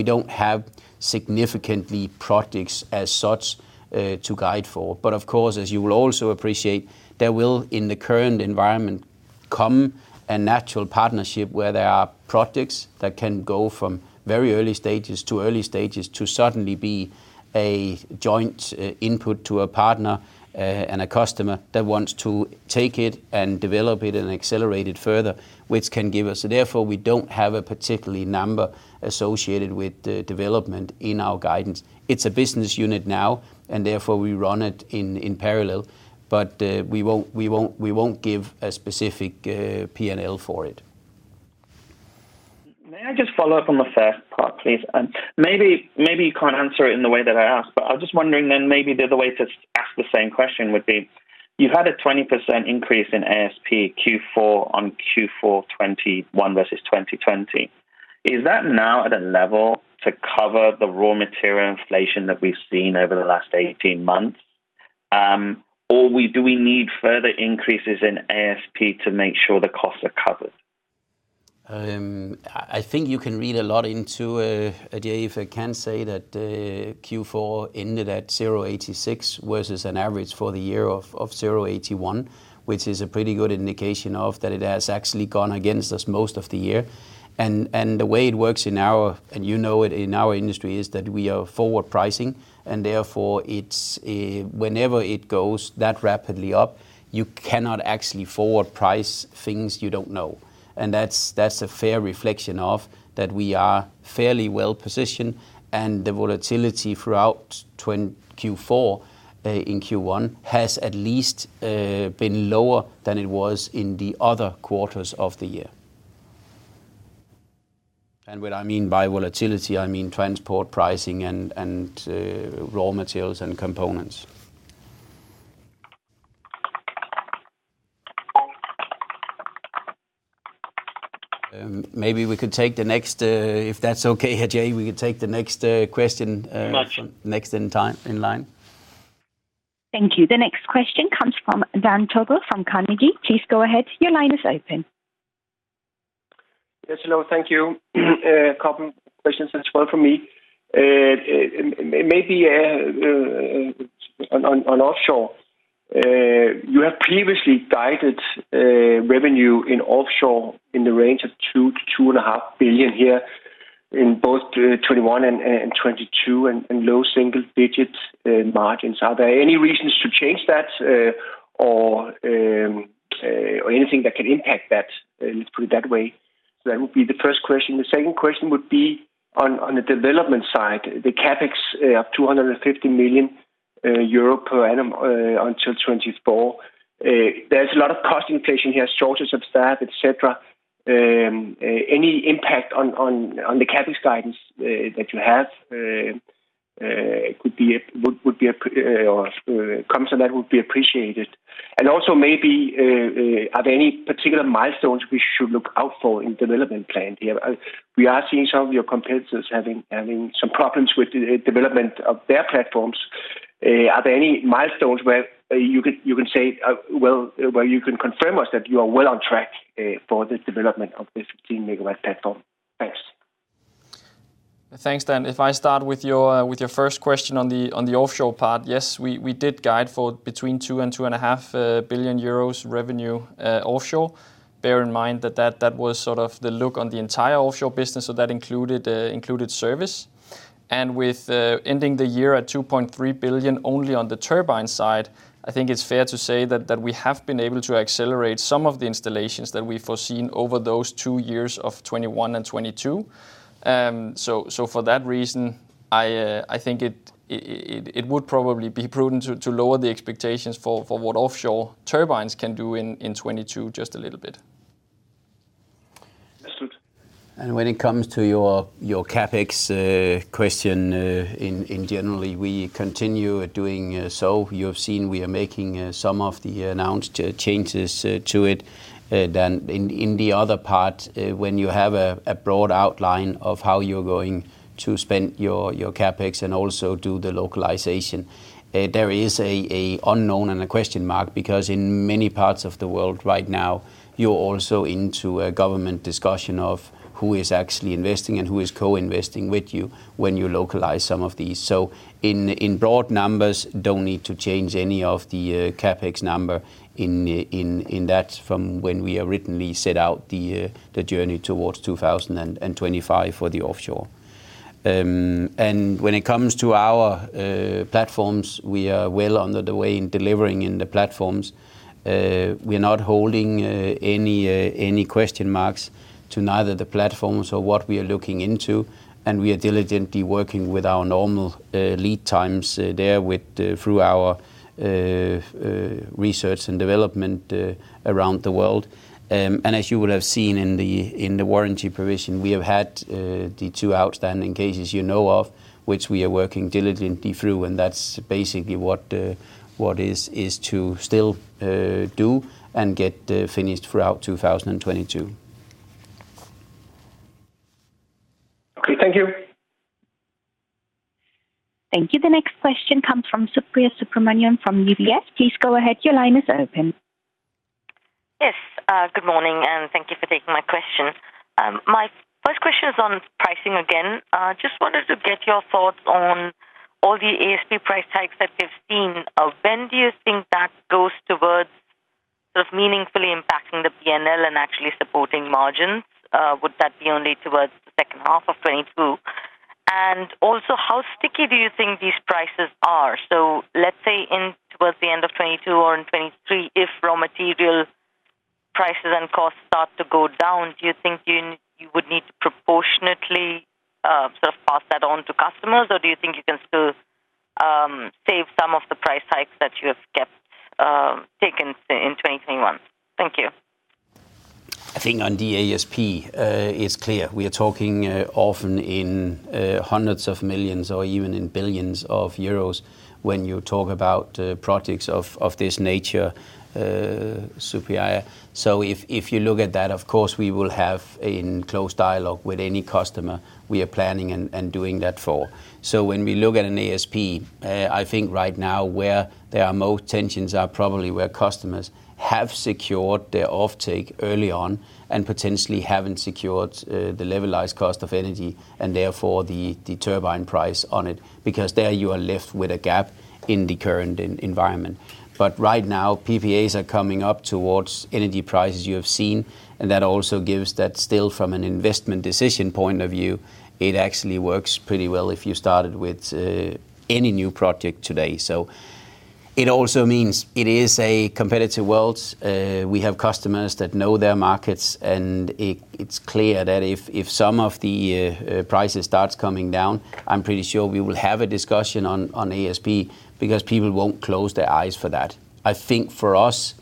don't have significant projects as such to guide for. Of course, as you will also appreciate, there will, in the current environment, come a natural partnership where there are projects that can go from very early stages to early stages to suddenly be a joint input to a partner and a customer that wants to take it and develop it and accelerate it further, which can give us. Therefore, we don't have a particular number associated with the development in our guidance. It's a business unit now, and therefore we run it in parallel. We won't give a specific P&L for it. May I just follow up on the first part, please? Maybe you can't answer it in the way that I asked, but I was just wondering, then maybe the other way to ask the same question would be, you've had a 20% increase in ASP Q4 on Q4 2021 versus 2020. Is that now at a level to cover the raw material inflation that we've seen over the last 18 months? Or do we need further increases in ASP to make sure the costs are covered? I think you can read a lot into Ajay, if I can say that, Q4 ended at 0.86 versus an average for the year of 0.81, which is a pretty good indication that it has actually gone against us most of the year. The way it works in our, you know it, in our industry, is that we are forward pricing, and therefore it's whenever it goes that rapidly up, you cannot actually forward price things you don't know. That's a fair reflection that we are fairly well-positioned, and the volatility throughout Q4 in Q1 has at least been lower than it was in the other quarters of the year. What I mean by volatility, I mean transport pricing and raw materials and components. If that's okay, Ajay, we could take the next question. Much. In line. Thank you. The next question comes from Dan Togo from Carnegie. Please go ahead. Your line is open. Yes, hello. Thank you. A couple questions as well from me. Maybe on offshore, you have previously guided revenue in offshore in the range of 2 billion-2.5 billion here in both 2021 and 2022 and low single digits margins. Are there any reasons to change that, or anything that can impact that, let's put it that way? That would be the first question. The second question would be on the development side, the CapEx of 250 million euro per annum until 2024. There's a lot of cost inflation here, shortage of staff, et cetera. Any impact on the CapEx guidance that you have would be appreciated. Or comments on that would be appreciated. Also maybe are there any particular milestones we should look out for in development plan here? We are seeing some of your competitors having some problems with the development of their platforms. Are there any milestones where you can say where you can confirm us that you are well on track for this development of this 15 MW platform? Thanks, Dan. If I start with your first question on the offshore part, yes, we did guide for between 2 billion euros and EUR 2.5 billion revenue offshore. Bear in mind that was sort of the look on the entire offshore business, so that included service. With ending the year at 2.3 billion only on the turbine side, I think it's fair to say that we have been able to accelerate some of the installations that we foreseen over those two years of 2021 and 2022. So for that reason, I think it would probably be prudent to lower the expectations for what offshore turbines can do in 2022 just a little bit. Understood. When it comes to your CapEx question, in general, we continue doing so. You have seen we are making some of the announced changes to it. In the other part, when you have a broad outline of how you're going to spend your CapEx and also do the localization, there is an unknown and a question mark because in many parts of the world right now, you're also into a government discussion of who is actually investing and who is co-investing with you when you localize some of these. In broad numbers, don't need to change any of the CapEx number in that from when we originally set out the journey towards 2025 for the offshore. When it comes to our platforms, we are well underway in delivering the platforms. We are not holding any question marks to neither the platforms or what we are looking into, and we are diligently working with our normal lead times there with through our research and development around the world. As you would have seen in the warranty provision, we have had the two outstanding cases you know of, which we are working diligently through, and that's basically what is still to do and get finished throughout 2022. Okay, thank you. Thank you. The next question comes from Supriya Subramanian from UBS. Please go ahead. Your line is open. Yes, good morning, and thank you for taking my question. My first question is on pricing again. Just wanted to get your thoughts on all the ASP price tags that we've seen. When do you think that goes towards sort of meaningfully impacting the P&L and actually supporting margins? Would that be only towards the second half of 2022? And also, how sticky do you think these prices are? Let's say towards the end of 2022 or in 2023, if raw material prices and costs start to go down, do you think you would need to proportionately sort of pass that on to customers? Or do you think you can still save some of the price hikes that you have taken in 2021? Thank you. I think on the ASP, it's clear. We are talking often in hundreds of millions of euros or even in billions of euros when you talk about projects of this nature, Supriya. If you look at that, of course we will have in close dialogue with any customer we are planning and doing that for. When we look at an ASP, I think right now where there are more tensions are probably where customers have secured their offtake early on and potentially haven't secured the levelized cost of energy and therefore the turbine price on it, because there you are left with a gap in the current environment. Right now, PPAs are coming up towards energy prices you have seen, and that also gives that still from an investment decision point of view, it actually works pretty well if you started with any new project today. It also means it is a competitive world. We have customers that know their markets, and it's clear that if some of the prices starts coming down, I'm pretty sure we will have a discussion on ASP because people won't close their eyes for that. I think for us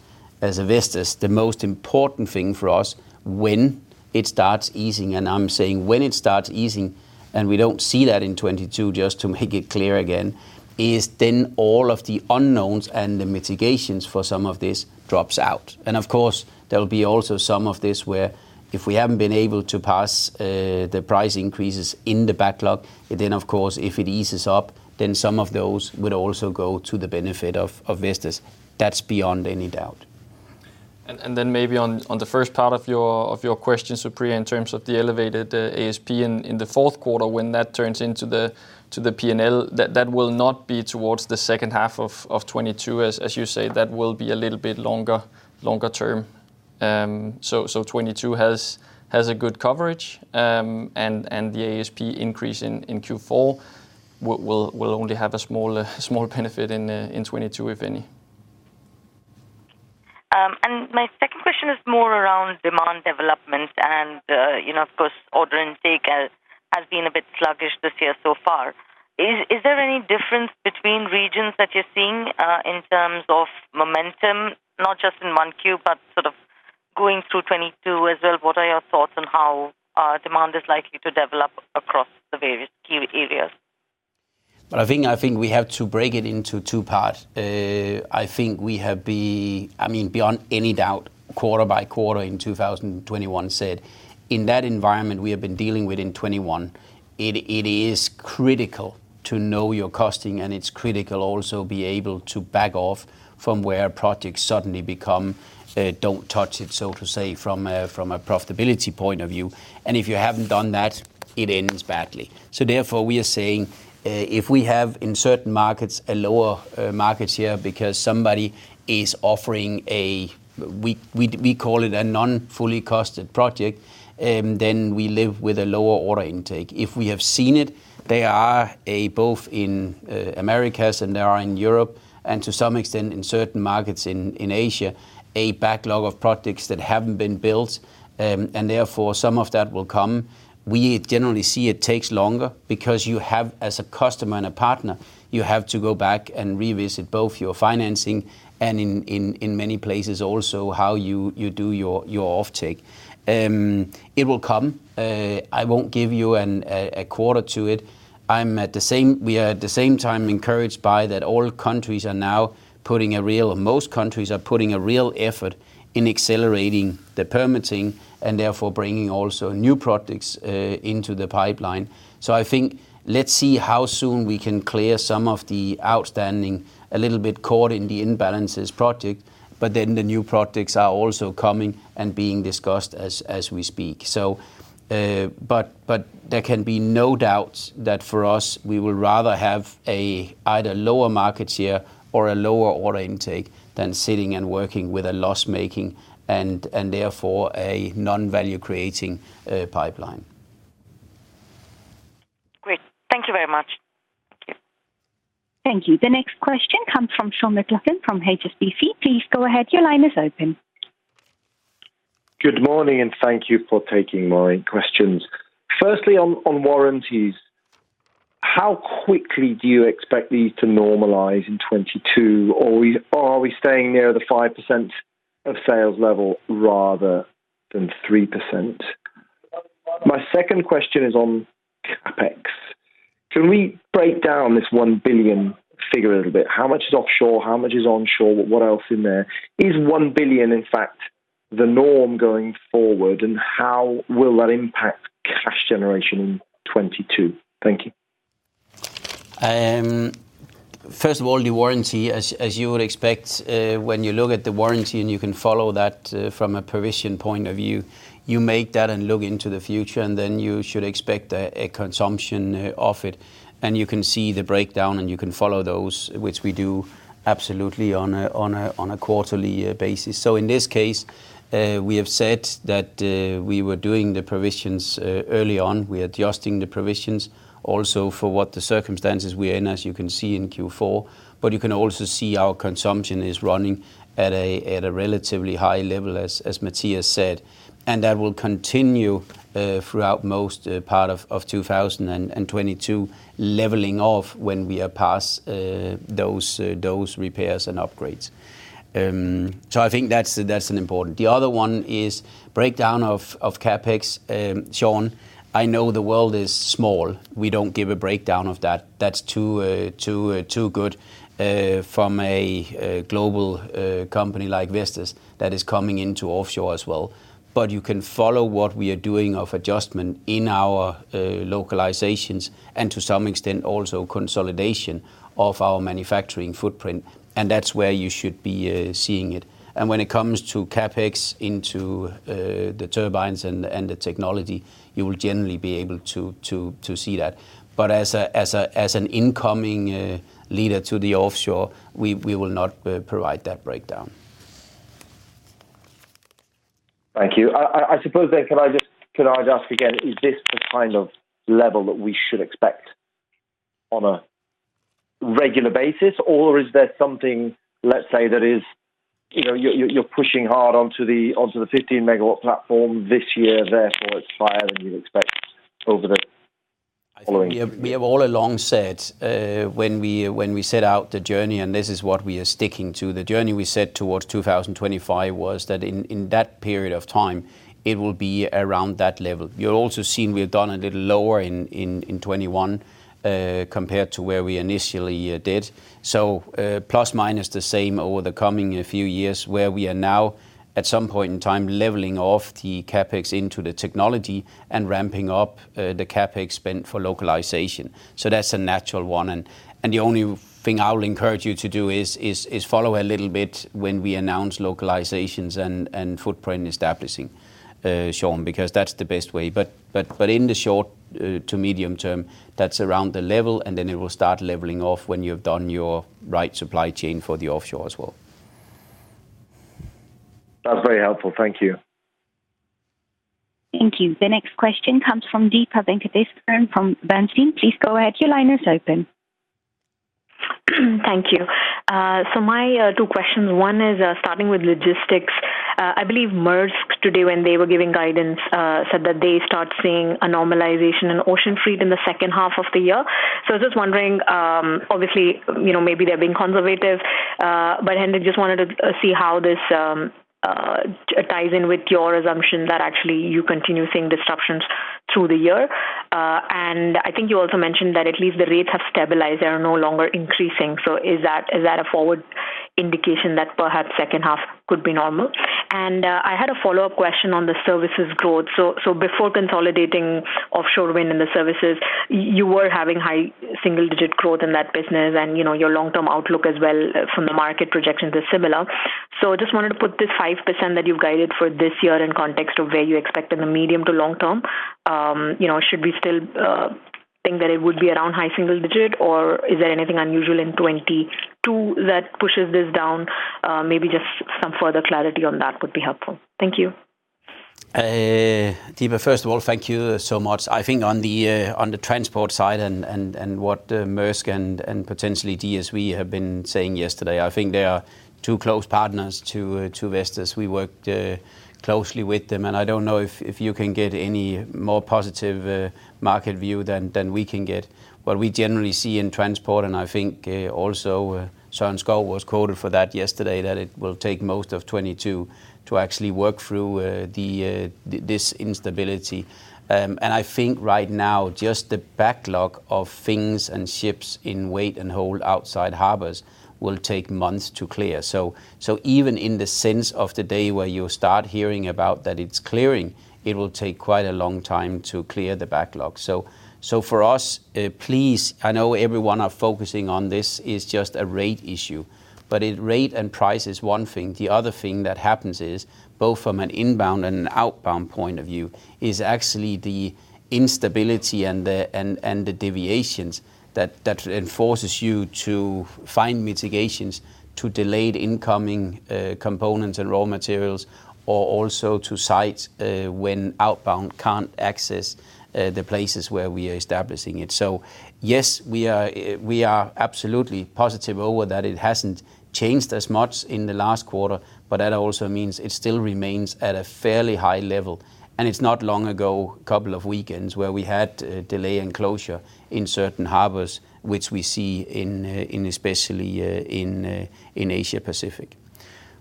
as Vestas, the most important thing for us when it starts easing, and I'm saying when it starts easing, and we don't see that in 2022, just to make it clear again, is then all of the unknowns and the mitigations for some of this drops out. Of course, there will be also some of this where if we haven't been able to pass the price increases in the backlog, then of course, if it eases up, then some of those would also go to the benefit of Vestas. That's beyond any doubt. Then maybe on the first part of your question, Supriya, in terms of the elevated ASP in the fourth quarter, when that turns into the P&L, that will not be towards the second half of 2022. As you say, that will be a little bit longer term. 2022 has a good coverage, and the ASP increase in Q4 will only have a small benefit in 2022, if any. My second question is more around demand development and, you know, of course, order intake has been a bit sluggish this year so far. Is there any difference between regions that you're seeing in terms of momentum, not just in 1Q, but sort of going through 2022 as well? What are your thoughts on how demand is likely to develop across the various key areas? I think we have to break it into two parts. I mean, beyond any doubt, quarter by quarter in 2021 in that environment we have been dealing with in 2021, it is critical to know your costing, and it's critical also to be able to back off from where projects suddenly become don't touch it, so to say, from a profitability point of view. If you haven't done that, it ends badly. We are saying if we have in certain markets a lower market share because somebody is offering, we call it a non-fully costed project, then we live with a lower order intake. If we have seen it, there are both in Americas and in Europe, and to some extent in certain markets in Asia, a backlog of projects that haven't been built, and therefore some of that will come. We generally see it takes longer because you have, as a customer and a partner, to go back and revisit both your financing and in many places also how you do your offtake. It will come. I won't give you a quarter to it. We are at the same time encouraged by that most countries are putting a real effort in accelerating the permitting and therefore bringing also new projects into the pipeline. I think let's see how soon we can clear some of the outstanding, a little bit caught in the imbalances project, but then the new projects are also coming and being discussed as we speak. But there can be no doubts that for us, we would rather have a either lower market share or a lower order intake than sitting and working with a loss making and therefore a non-value creating pipeline. Great. Thank you very much. Thank you. Thank you. The next question comes from Sean McLoughlin from HSBC. Please go ahead. Your line is open. Good morning, and thank you for taking my questions. Firstly, on warranties, how quickly do you expect these to normalize in 2022, or are we staying near the 5% of sales level rather than 3%? My second question is on CapEx. Can we break down this 1 billion figure a little bit? How much is offshore? How much is onshore? What else in there? Is 1 billion, in fact, the norm going forward, and how will that impact cash generation in 2022? Thank you. First of all, the warranty, as you would expect, when you look at the warranty, and you can follow that from a provision point of view, you make that and look into the future, and then you should expect a consumption of it. You can see the breakdown, and you can follow those, which we do absolutely on a quarterly basis. In this case, we have said that we were doing the provisions early on. We're adjusting the provisions also for what the circumstances we're in, as you can see in Q4. You can also see our consumption is running at a relatively high level, as Mathias said. That will continue throughout most part of 2022, leveling off when we are past those repairs and upgrades. I think that's an important. The other one is breakdown of CapEx. Sean, I know the world is small. We don't give a breakdown of that. That's too good from a global company like Vestas that is coming into offshore as well. You can follow what we are doing of adjustment in our localizations and to some extent also consolidation of our manufacturing footprint, and that's where you should be seeing it. When it comes to CapEx into the turbines and the technology, you will generally be able to see that. As an incoming leader to the offshore, we will not provide that breakdown. Thank you. I suppose then, can I just ask again, is this the kind of level that we should expect on a regular basis, or is there something, let's say, that is, you know, you're pushing hard onto the 15 MW platform this year, therefore it's higher than you'd expect over the following- We have all along said, when we set out the journey, and this is what we are sticking to, the journey we set towards 2025 was that in that period of time, it will be around that level. You're also seeing we've done a little lower in 2021, compared to where we initially did. Plus minus the same over the coming few years, where we are now at some point in time leveling off the CapEx into the technology and ramping up the CapEx spend for localization. That's a natural one, and the only thing I will encourage you to do is follow a little bit when we announce localizations and footprint establishing, Sean, because that's the best way. In the short to medium term, that's around the level, and then it will start leveling off when you've done your right supply chain for the offshore as well. That's very helpful. Thank you. Thank you. The next question comes from Deepa Venkateswaran from Bernstein. Please go ahead. Your line is open. Thank you. My two questions, one is starting with logistics. I believe Maersk today when they were giving guidance said that they start seeing a normalization in ocean freight in the second half of the year. I was just wondering, obviously, you know, maybe they're being conservative, but Henrik, just wanted to see how this ties in with your assumption that actually you continue seeing disruptions through the year. I think you also mentioned that at least the rates have stabilized, they are no longer increasing. Is that a forward indication that perhaps second half could be normal? I had a follow-up question on the services growth. Before consolidating offshore wind and the services, you were having high single-digit growth in that business and, you know, your long-term outlook as well from the market projections is similar. Just wanted to put this 5% that you've guided for this year in context of where you expect in the medium to long term. You know, should we still think that it would be around high single-digit, or is there anything unusual in 2022 that pushes this down? Maybe just some further clarity on that would be helpful. Thank you. Deepa, first of all, thank you so much. I think on the transport side and what Maersk and potentially DSV have been saying yesterday, I think they are two close partners to Vestas. We worked closely with them, and I don't know if you can get any more positive market view than we can get. What we generally see in transport, and I think also Søren Skou was quoted for that yesterday, that it will take most of 2022 to actually work through this instability. I think right now, just the backlog of things and ships in wait and hold outside harbors will take months to clear. Even as of today when you start hearing about that it's clearing, it will take quite a long time to clear the backlog. For us, please, I know everyone are focusing on this, is just a rate issue. Rate and price is one thing. The other thing that happens is, both from an inbound and an outbound point of view, is actually the instability and the deviations that forces you to find mitigations for delayed incoming components and raw materials or also at sites when outbound can't access the places where we are establishing it. Yes, we are absolutely positive that it hasn't changed as much in the last quarter, but that also means it still remains at a fairly high level. It's not long ago, couple of weekends where we had delay and closure in certain harbors, which we see especially in Asia-Pacific.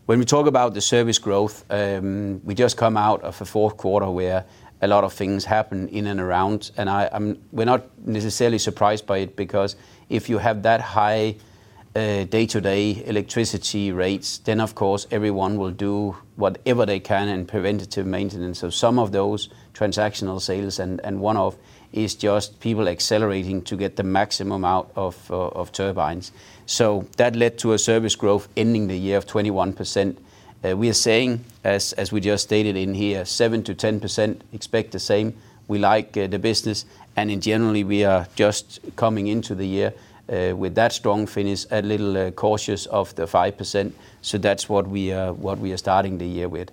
When we talk about the service growth, we just come out of a fourth quarter where a lot of things happen in and around, and we're not necessarily surprised by it because if you have that high day-to-day electricity rates, then of course everyone will do whatever they can in preventative maintenance. Some of those transactional sales and one-off is just people accelerating to get the maximum out of turbines. That led to a service growth ending the year of 21%. We are saying, as we just stated in here, 7%-10%, expect the same. We like the business, and in general, we are just coming into the year with that strong finish, a little cautious of the 5%. That's what we are starting the year with.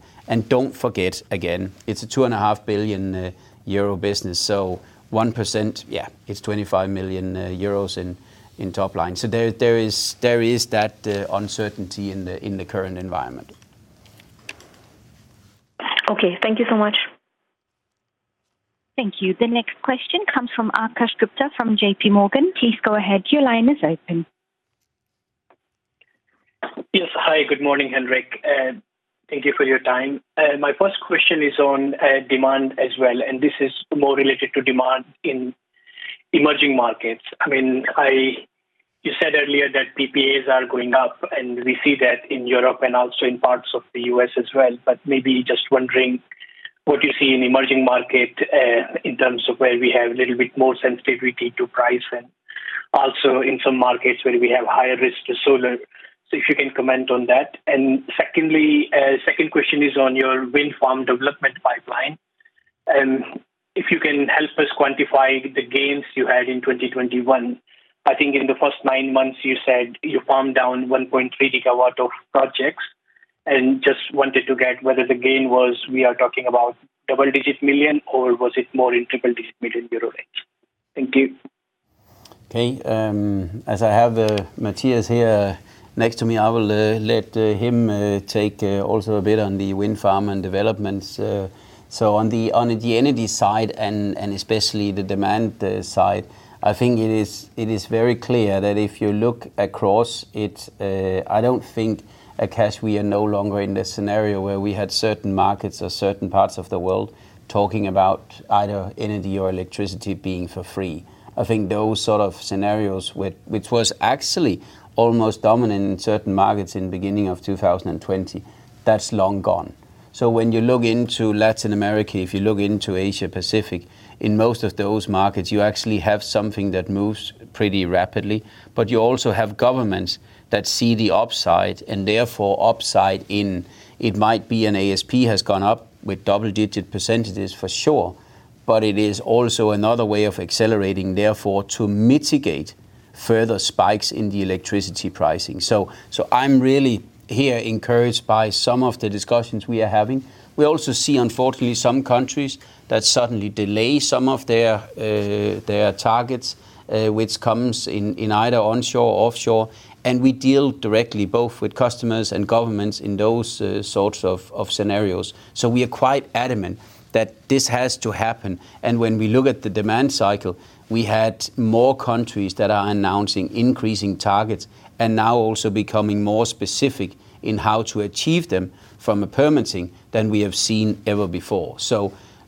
Don't forget, again, it's a 2.5 billion euro business. So 1%, yeah, it's 25 million euros in top line. So there is that uncertainty in the current environment. Okay. Thank you so much. Thank you. The next question comes from Akash Gupta from JPMorgan. Please go ahead, your line is open. Yes. Hi. Good morning, Henrik, and thank you for your time. My first question is on demand as well, and this is more related to demand in emerging markets. I mean, you said earlier that PPAs are going up, and we see that in Europe and also in parts of the U.S. as well. Maybe just wondering what you see in emerging markets, in terms of where we have a little bit more sensitivity to price and also in some markets where we have higher risk to solar. So if you can comment on that. Secondly, second question is on your wind farm development pipeline, if you can help us quantify the gains you had in 2021. I think in the first nine months, you said you farmed down 1.3 GW of projects, and just wanted to get whether the gain was we are talking about double-digit million euros, or was it more in triple-digit million euros range? Thank you. Okay. As I have Mathias here next to me, I will let him take also a bit on the wind farm and developments. On the energy side and especially the demand side, I think it is very clear that if you look across it, I don't think, Akash, we are no longer in the scenario where we had certain markets or certain parts of the world talking about either energy or electricity being for free. I think those sort of scenarios which was actually almost dominant in certain markets in the beginning of 2020, that's long gone. When you look into Latin America, if you look into Asia-Pacific, in most of those markets, you actually have something that moves pretty rapidly, but you also have governments that see the upside, and therefore the upside in it might be an ASP has gone up with double-digit percentages for sure, but it is also another way of accelerating therefore to mitigate further spikes in the electricity pricing. I'm really encouraged here by some of the discussions we are having. We also see, unfortunately, some countries that suddenly delay some of their targets, which comes in either onshore or offshore, and we deal directly both with customers and governments in those sorts of scenarios. We are quite adamant that this has to happen. When we look at the demand cycle, we had more countries that are announcing increasing targets and now also becoming more specific in how to achieve them from a permitting than we have seen ever before.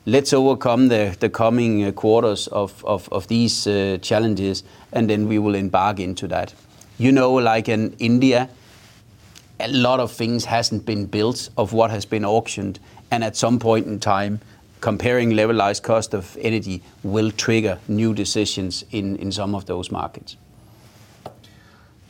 Let's overcome the coming quarters of these challenges, and then we will embark into that. You know, like in India. A lot of things hasn't been built of what has been auctioned, and at some point in time, comparing levelized cost of energy will trigger new decisions in some of those markets.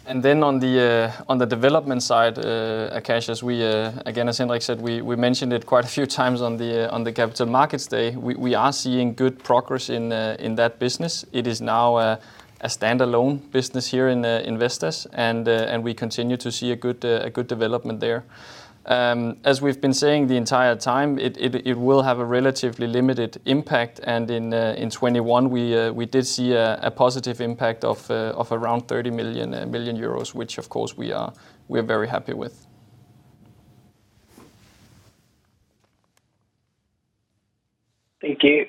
On the development side, Akash, as we again, as Henrik said, we mentioned it quite a few times on the Capital Markets Day. We are seeing good progress in that business. It is now a standalone business here in the Investor Relations and we continue to see a good development there. As we've been saying the entire time, it will have a relatively limited impact, and in 2021 we did see a positive impact of around 30 million euros, which of course we are very happy with. Thank you.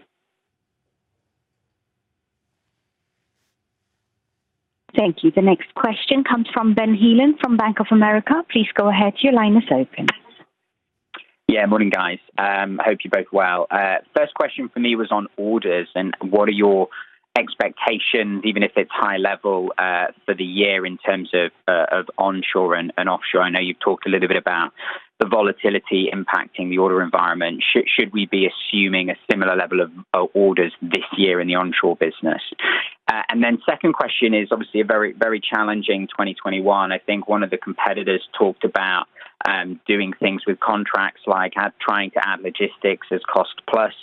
Thank you. The next question comes from Ben Heelan from Bank of America. Please go ahead. Your line is open. Yeah. Morning, guys. Hope you're both well. First question for me was on orders, and what are your expectations, even if it's high level, for the year in terms of of onshore and offshore? I know you've talked a little bit about the volatility impacting the order environment. Should we be assuming a similar level of orders this year in the onshore business? And then second question is obviously a very challenging 2021. I think one of the competitors talked about doing things with contracts like trying to add logistics as cost plus.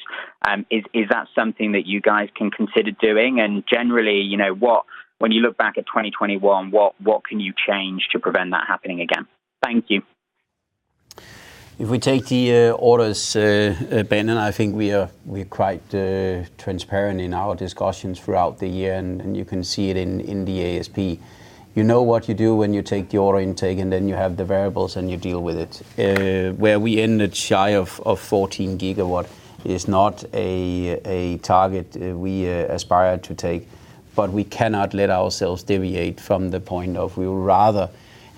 Is that something that you guys can consider doing? Generally, you know, what when you look back at 2021, what can you change to prevent that happening again? Thank you. If we take the orders, Ben, and I think we are, we're quite transparent in our discussions throughout the year, and you can see it in the ASP. You know what you do when you take the order intake, and then you have the variables, and you deal with it. Where we ended shy of 14 GW is not a target we aspire to take, but we cannot let ourselves deviate from the point of we would rather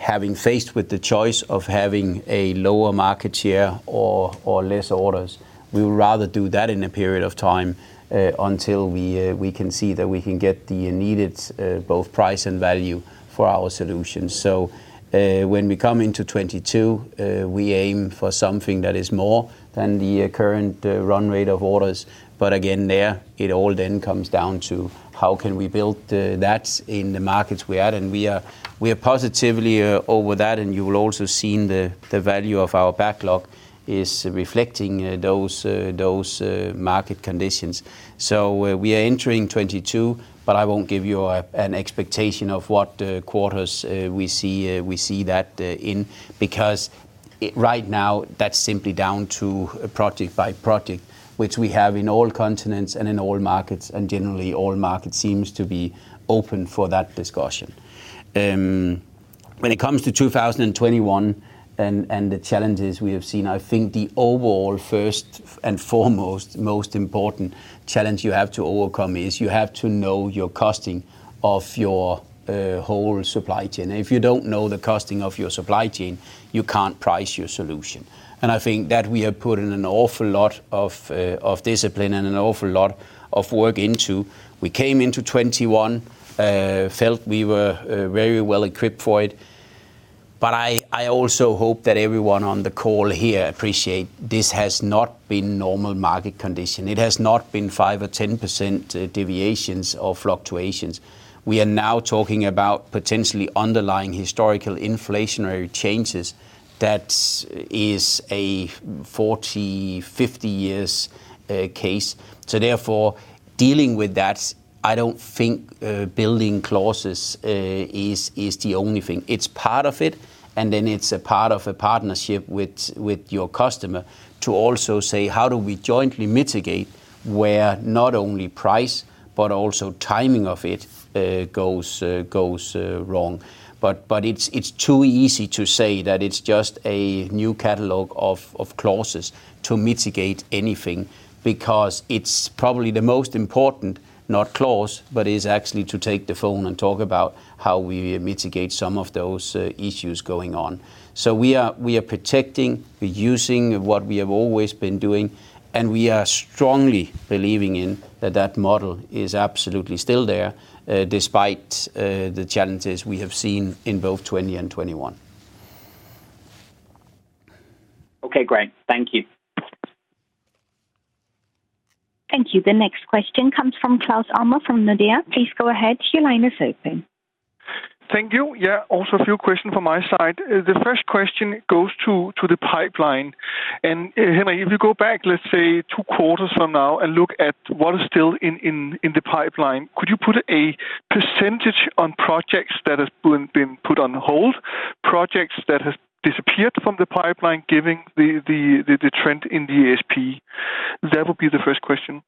having faced with the choice of having a lower market share or less orders, we would rather do that in a period of time until we can see that we can get the needed both price and value for our solutions. When we come into 2022, we aim for something that is more than the current run rate of orders. Again, it all comes down to how we can build that in the markets we're at, and we are positively over that, and you will also see the value of our backlog is reflecting those market conditions. We are entering 2022, but I won't give you an expectation of what quarters we see that in because right now that's simply down to project by project, which we have in all continents and in all markets, and generally all markets seem to be open for that discussion. When it comes to 2021 and the challenges we have seen, I think the overall first and foremost most important challenge you have to overcome is you have to know your costing of your whole supply chain. If you don't know the costing of your supply chain, you can't price your solution. I think that we have put in an awful lot of discipline and an awful lot of work into. We came into 2021, felt we were very well equipped for it. I also hope that everyone on the call here appreciate this has not been normal market condition. It has not been 5% or 10% deviations or fluctuations. We are now talking about potentially underlying historical inflationary changes that is a 40 to 50 years case. Therefore, dealing with that, I don't think building clauses is the only thing. It's part of it, and then it's a part of a partnership with your customer to also say, "How do we jointly mitigate where not only price but also timing of it goes wrong?" But it's too easy to say that it's just a new catalog of clauses to mitigate anything because it's probably the most important, not clause, but is actually to take the phone and talk about how we mitigate some of those issues going on. We are protecting, we're using what we have always been doing, and we are strongly believing in that model is absolutely still there, despite the challenges we have seen in both 2020 and 2021. Okay, great. Thank you. Thank you. The next question comes from Claus Almer from Nordea. Please go ahead. Your line is open. Thank you. Yeah. Also a few questions from my side. The first question goes to the pipeline. Henrik, if you go back, let's say two quarters from now and look at what is still in the pipeline, could you put a percentage on projects that has been put on hold, projects that has disappeared from the pipeline given the trend in the ASP? That would be the first question.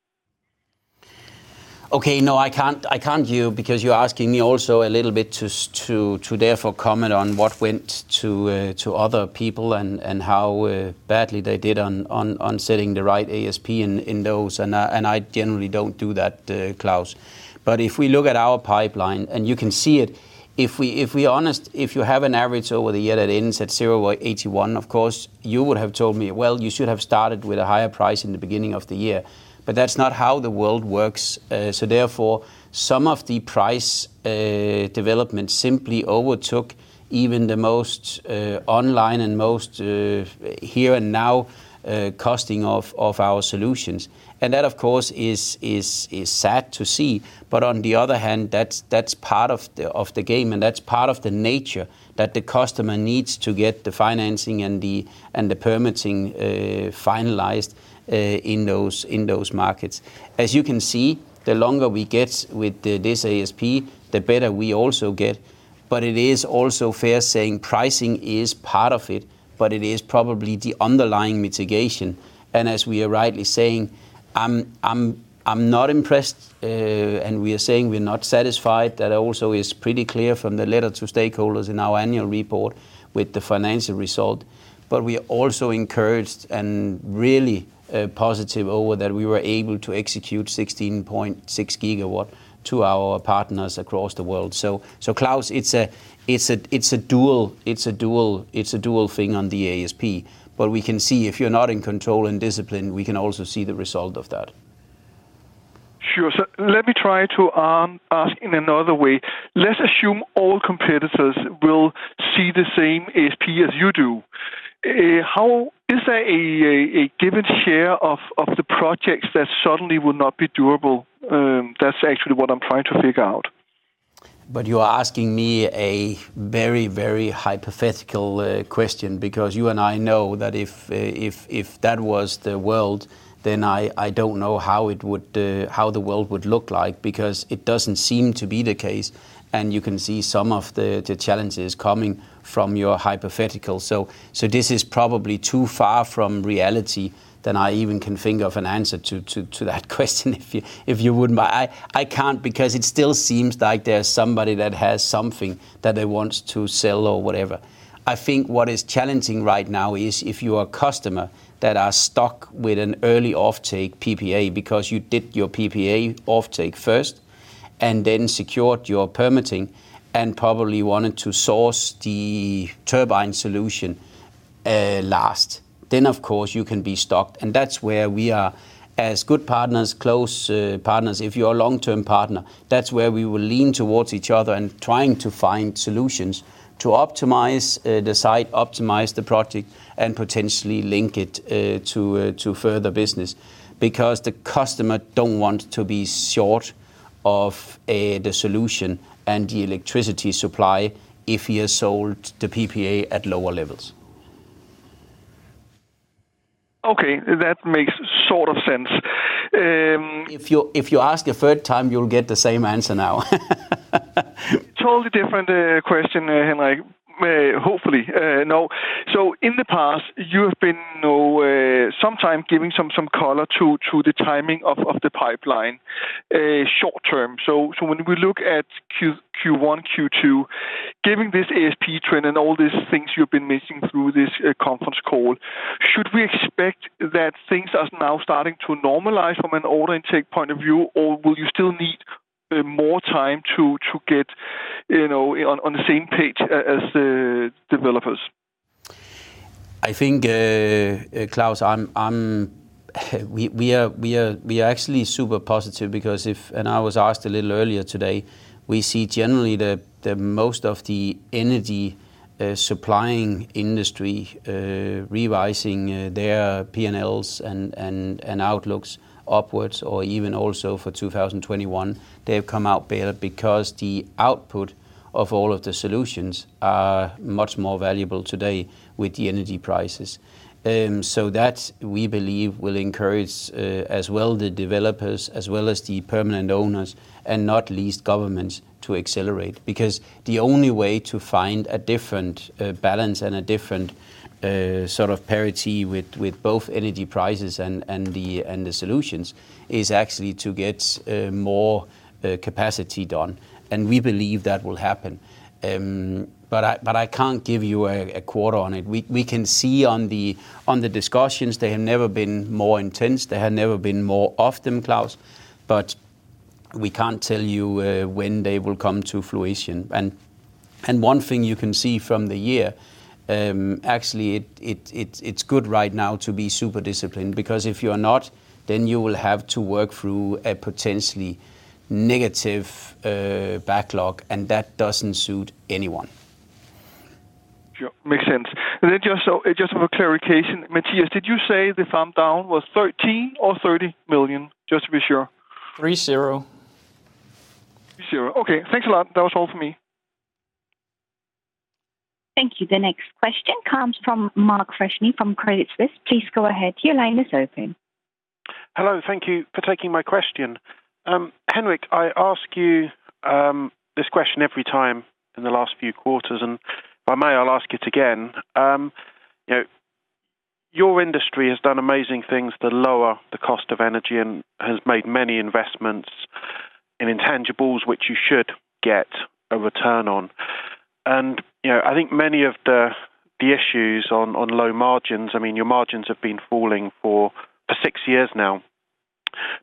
Okay. No, I can't tell you because you're asking me also a little bit to therefore comment on what went wrong with other people and how badly they did on setting the right ASP in those, and I generally don't do that, Claus. If we look at our pipeline, and you can see it, if we are honest, if you have an average over the year that ends at 0.81, of course, you would have told me, "Well, you should have started with a higher price in the beginning of the year." That's not how the world works. Therefore, some of the price development simply overtook even the most online and most here and now costing of our solutions. That, of course, is sad to see. On the other hand, that's part of the game, and that's part of the nature that the customer needs to get the financing and the permitting finalized in those markets. As you can see, the longer we get with this ASP, the better we also get. It is also fair saying pricing is part of it, but it is probably the underlying mitigation. As we are rightly saying, I'm not impressed. We are saying we're not satisfied. That also is pretty clear from the letter to stakeholders in our annual report with the financial result. We are also encouraged and really positive over that we were able to execute 16.6 GW to our partners across the world. Claus, it's a dual thing on the ASP. We can see if you're not in control and discipline, we can also see the result of that. Sure. Let me try to ask in another way. Let's assume all competitors will see the same ASP as you do. Is there a given share of the projects that suddenly would not be doable? That's actually what I'm trying to figure out. You are asking me a very, very hypothetical question because you and I know that if that was the world, then I don't know how the world would look like, because it doesn't seem to be the case. You can see some of the challenges coming from your hypothetical. This is probably too far from reality than I even can think of an answer to that question, if you wouldn't mind. I can't because it still seems like there's somebody that has something that they want to sell or whatever. I think what is challenging right now is if you are a customer that are stuck with an early off-take PPA because you did your PPA off-take first and then secured your permitting and probably wanted to source the turbine solution last, then of course you can be stuck. That's where we are as good partners, close partners. If you're a long-term partner, that's where we will lean towards each other and trying to find solutions to optimize the site, optimize the project, and potentially link it to further business. Because the customer don't want to be short of the solution and the electricity supply if he has sold the PPA at lower levels. Okay. That makes sort of sense. If you ask a third time, you'll get the same answer now. Totally different question, Henrik. In the past, you have been, you know, sometimes giving some color to the timing of the pipeline, short term. When we look at Q1, Q2, given this ASP trend and all these things you've been mentioning through this conference call, should we expect that things are now starting to normalize from an order intake point of view, or will you still need more time to get, you know, on the same page as the developers? I think, Claus, we are actually super positive because and I was asked a little earlier today, we see generally the most of the energy supplying industry revising their P&Ls and outlooks upwards or even also for 2021, they've come out better because the output of all of the solutions are much more valuable today with the energy prices. That we believe will encourage as well the developers, as well as the permanent owners, and not least governments to accelerate. Because the only way to find a different balance and a different sort of parity with both energy prices and the solutions is actually to get more capacity done, and we believe that will happen. I can't give you a quarter on it. We can see on the ongoing discussions, they have never been more intense, they have never been more often, Claus, but we can't tell you when they will come to fruition. One thing you can see from the year, actually it's good right now to be super disciplined, because if you're not, then you will have to work through a potentially negative backlog, and that doesn't suit anyone. Sure. Makes sense. Just for clarification, Mathias, did you say the downturn was 13 million or 30 million? Just to be sure. three, zero. 30. Okay. Thanks a lot. That was all for me. Thank you. The next question comes from Mark Freshney from Credit Suisse. Please go ahead, your line is open. Hello. Thank you for taking my question. Henrik, I ask you this question every time in the last few quarters, and if I may, I'll ask it again. You know, your industry has done amazing things to lower the cost of energy and has made many investments in intangibles which you should get a return on. You know, I think many of the issues on low margins. I mean, your margins have been falling for six years now.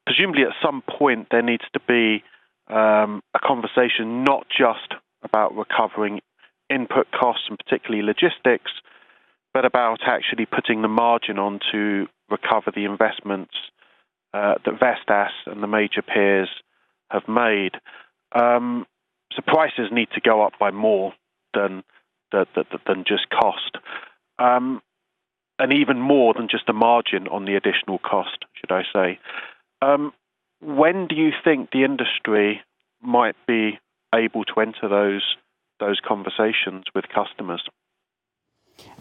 Presumably at some point, there needs to be a conversation not just about recovering input costs, and particularly logistics but about actually putting the margin on to recover the investments that Vestas and the major peers have made. Prices need to go up by more than just cost. Even more than just a margin on the additional cost, should I say. When do you think the industry might be able to enter those conversations with customers?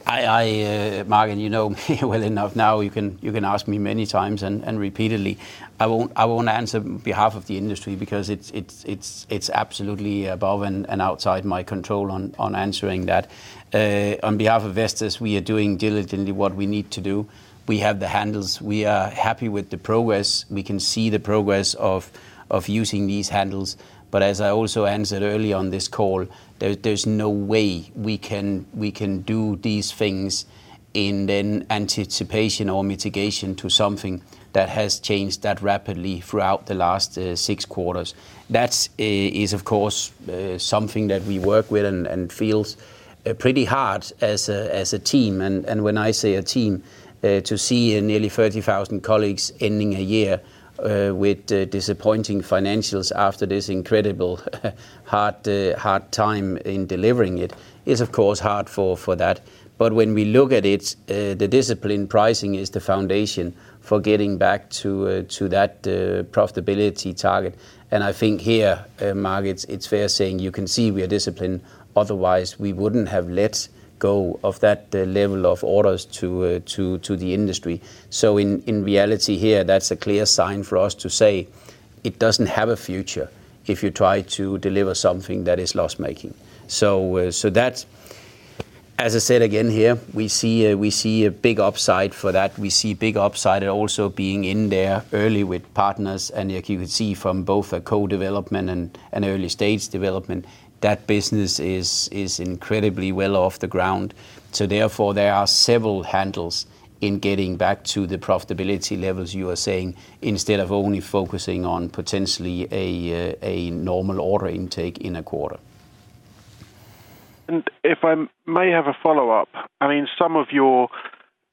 Mark, you know me well enough now. You can ask me many times and repeatedly. I won't answer on behalf of the industry because it's absolutely above and outside my control on answering that. On behalf of Vestas, we are doing diligently what we need to do. We have the handles. We are happy with the progress. We can see the progress of using these handles. As I also answered earlier on this call, there's no way we can do these things in anticipation or mitigation of something that has changed that rapidly throughout the last six quarters. That's, of course, something that we work with and feels pretty hard as a team. When I say a team to see nearly 30,000 colleagues ending a year with disappointing financials after this incredible hard time in delivering it is, of course, hard for that. When we look at it, the disciplined pricing is the foundation for getting back to that profitability target. I think here, Mark, it's fair to say you can see we are disciplined, otherwise we wouldn't have let go of that level of orders to the industry. In reality here, that's a clear sign for us to say it doesn't have a future if you try to deliver something that is loss-making. That's, as I said again, here, we see a big upside for that. We see big upside also being in there early with partners. You could see from both a co-development and an early stage development, that business is incredibly well off the ground. Therefore, there are several handles in getting back to the profitability levels you are saying, instead of only focusing on potentially a normal order intake in a quarter. If I may have a follow-up. I mean, some of your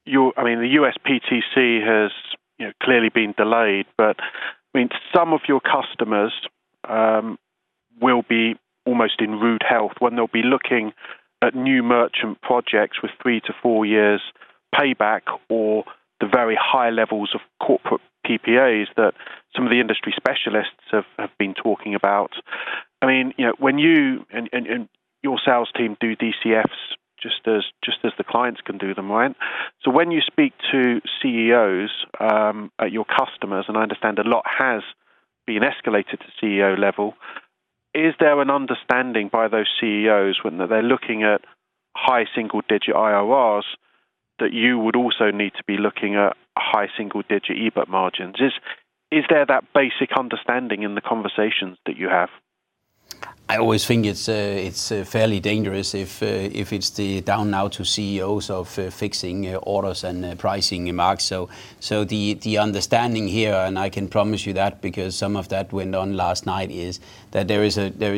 I mean, the U.S. PTC has, you know, clearly been delayed. I mean, some of your customers will be almost in rude health when they'll be looking at new merchant projects with three to four years payback or the very high levels of corporate PPAs that some of the industry specialists have been talking about. I mean, you know, when you and your sales team do DCFs just as the clients can do them, right? When you speak to CEOs at your customers, and I understand a lot has been escalated to CEO level, is there an understanding by those CEOs when they're looking at high single digit IRRs, that you would also need to be looking at high single digit EBIT margins? Is there that basic understanding in the conversations that you have? I always think it's fairly dangerous if it's down to CEOs to fix orders and pricing margins. The understanding here, and I can promise you that because some of that went on last night, is that there is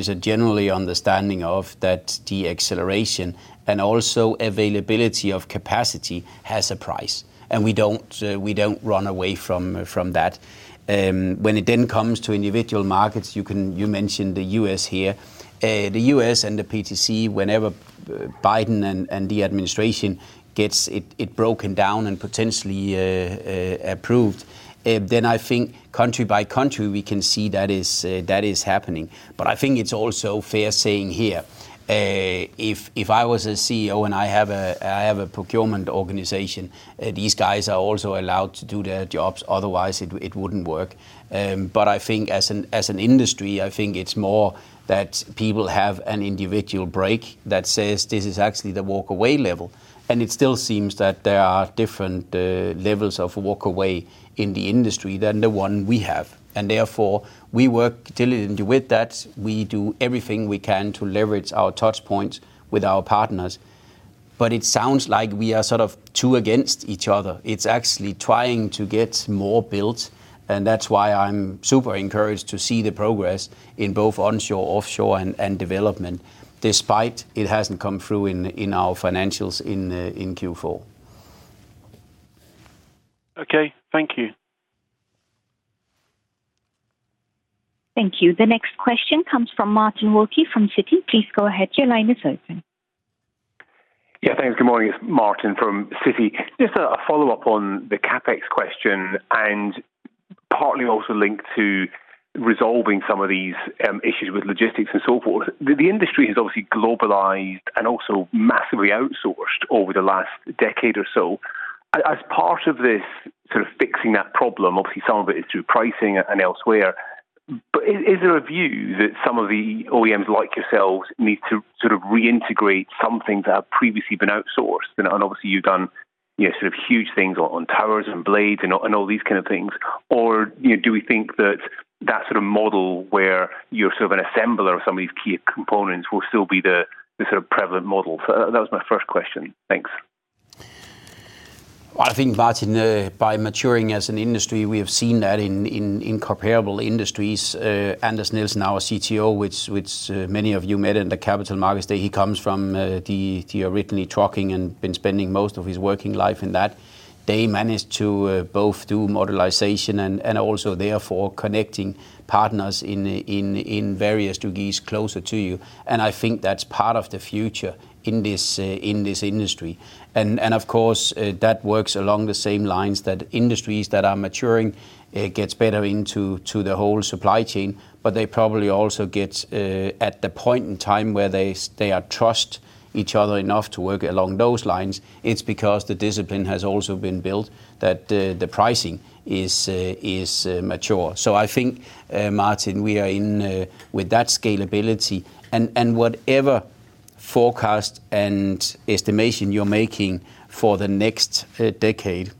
a general understanding of that deceleration and also availability of capacity has a price. We don't run away from that. When it comes to individual markets, you mentioned the U.S. here. The U.S. and the PTC, whenever Biden and the administration gets it broken down and potentially approved, I think country by country, we can see that is happening. I think it's also fair to say here, if I was a CEO and I have a procurement organization, these guys are also allowed to do their jobs, otherwise it wouldn't work. I think as an industry, I think it's more that people have an individual break that says this is actually the walk away level. It still seems that there are different levels of walk away in the industry than the one we have. Therefore, we work diligently with that. We do everything we can to leverage our touch points with our partners. It sounds like we are sort of two against each other. It's actually trying to get more built, and that's why I'm super encouraged to see the progress in both onshore, offshore, and development, despite it hasn't come through in our financials in Q4. Okay. Thank you. Thank you. The next question comes from Martin Wilkie from Citi. Please go ahead. Your line is open. Yeah, thanks. Good morning. It's Martin from Citi. Just a follow-up on the CapEx question and partly also linked to resolving some of these issues with logistics and so forth. The industry has obviously globalized and also massively outsourced over the last decade or so. As part of this sort of fixing that problem, obviously some of it is through pricing and elsewhere, but is there a view that some of the OEMs like yourselves need to sort of reintegrate some things that have previously been outsourced? And obviously, you've done, you know, sort of huge things on towers and blades and all these kind of things. Or, you know, do we think that that sort of model where you're sort of an assembler of some of these key components will still be the sort of prevalent model? That was my first question. Thanks. Well, I think, Martin, by maturing as an industry, we have seen that in comparable industries. Anders Nielsen, our CTO, which many of you met in the capital markets, that he comes from the telecom and trucking and been spending most of his working life in that. They managed to both do modularization and also therefore connecting partners in various degrees closer to you. I think that's part of the future in this industry. Of course, that works along the same lines that industries that are maturing, it gets better into the whole supply chain, but they probably also get at the point in time where they trust each other enough to work along those lines. It's because the discipline has also been built that the pricing is mature. I think, Martin, we are in with that scalability and whatever forecast and estimation you're making for the next decade,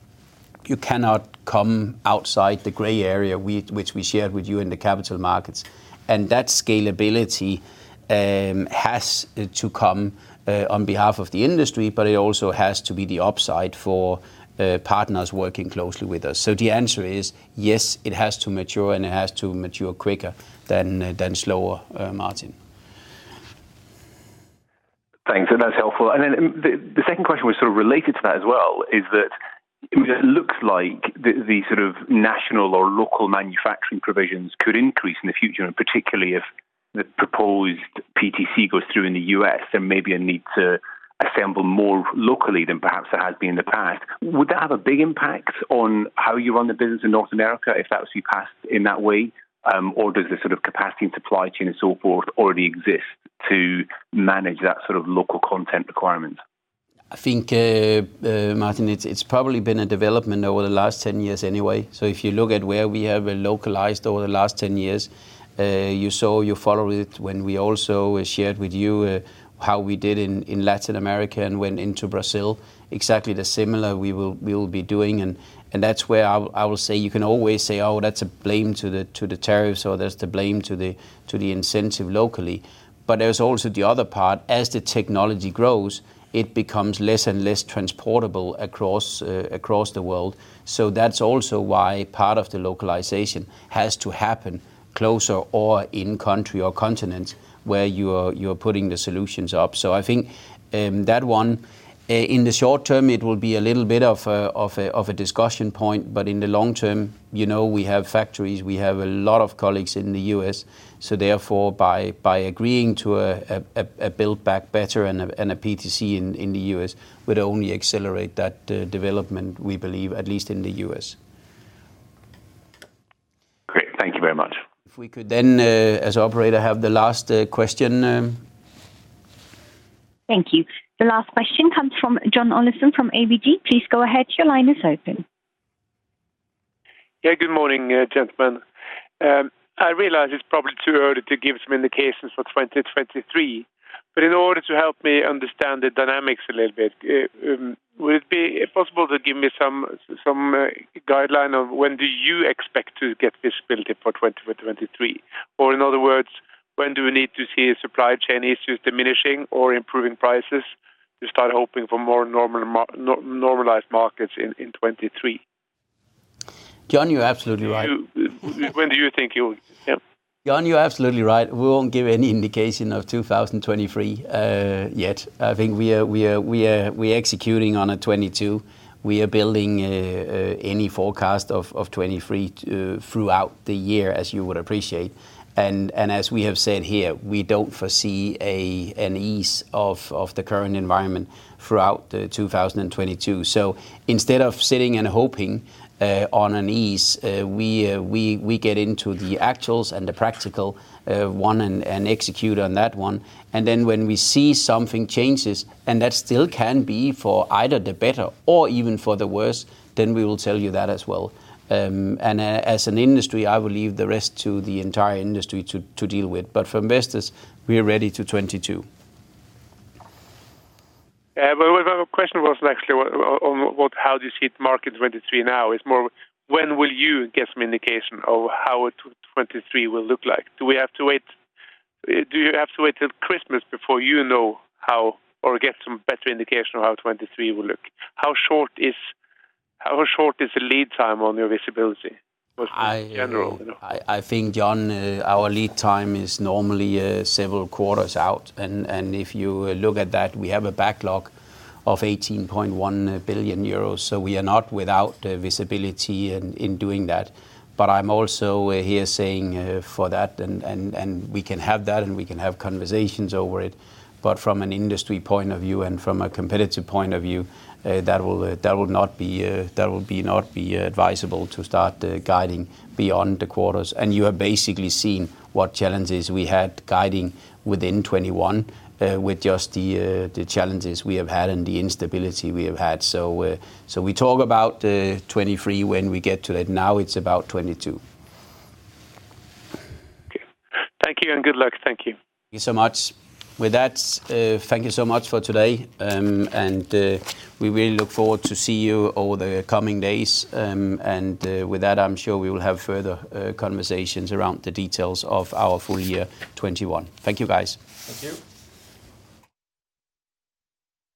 you cannot come outside the gray area we shared with you in the capital markets. That scalability has to come on behalf of the industry, but it also has to be the upside for partners working closely with us. The answer is, yes, it has to mature, and it has to mature quicker than slower, Martin. Thanks. That's helpful. The second question was sort of related to that as well, is that it looks like the sort of national or local manufacturing provisions could increase in the future, and particularly if the proposed PTC goes through in the U.S., there may be a need to assemble more locally than perhaps there has been in the past. Would that have a big impact on how you run the business in North America if that was to be passed in that way? Or does the sort of capacity and supply chain and so forth already exist to manage that sort of local content requirement? I think, Martin, it's probably been a development over the last 10 years anyway. If you look at where we have localized over the last 10 years, you saw, you follow it when we also shared with you how we did in Latin America and went into Brazil, exactly the similar we will be doing. That's where I will say you can always say, "Oh, that's a blame to the tariffs, or there's the blame to the incentive locally." There's also the other part. As the technology grows, it becomes less and less transportable across the world. That's also why part of the localization has to happen closer or in country or continents where you're putting the solutions up. I think that one in the short term it will be a little bit of a discussion point, but in the long term, you know, we have factories, we have a lot of colleagues in the U.S. Therefore, by agreeing to a Build Back Better and a PTC in the U.S. would only accelerate that development, we believe, at least in the U.S. Great. Thank you very much. If we could then, as operator, have the last question. Thank you. The last question comes from John Olaisen from ABG. Please go ahead. Your line is open. Yeah, good morning, gentlemen. I realize it's probably too early to give some indications for 2023, but in order to help me understand the dynamics a little bit, would it be possible to give me some guideline of when do you expect to get visibility for 2023? Or in other words, when do we need to see supply chain issues diminishing or improving prices to start hoping for more normal or normalized markets in 2023? John, you're absolutely right. When do you think you? Yeah. John, you're absolutely right. We won't give any indication of 2023 yet. I think we're executing on 2022. We are building any forecast of 2023 throughout the year, as you would appreciate. As we have said here, we don't foresee an ease of the current environment throughout 2022. Instead of sitting and hoping on an ease, we get into the actuals and the practical one and execute on that one. Then when we see something changes, and that still can be for either the better or even for the worse, then we will tell you that as well. As an industry, I will leave the rest to the entire industry to deal with. For investors, we are ready for 2022. Yeah. My question wasn't actually on what, how do you see the market 2023 now. It's more, when will you get some indication of how 2023 will look like? Do we have to wait? Do you have to wait till Christmas before you know how or get some better indication of how 2023 will look? How short is the lead time on your visibility? Most general. I think, John, our lead time is normally several quarters out. If you look at that, we have a backlog of 18.1 billion euros. We are not without visibility in doing that. I'm also here saying for that, and we can have that, and we can have conversations over it. From an industry point of view and from a competitive point of view, that will not be advisable to start guiding beyond the quarters. You are basically seeing what challenges we had guiding within 2021, with just the challenges we have had and the instability we have had. We talk about 2023 when we get to that. Now it's about 2022. Thank you and good luck. Thank you. Thank you so much. With that, thank you so much for today. We really look forward to see you over the coming days. With that, I'm sure we will have further conversations around the details of our full year 2021. Thank you, guys. Thank you.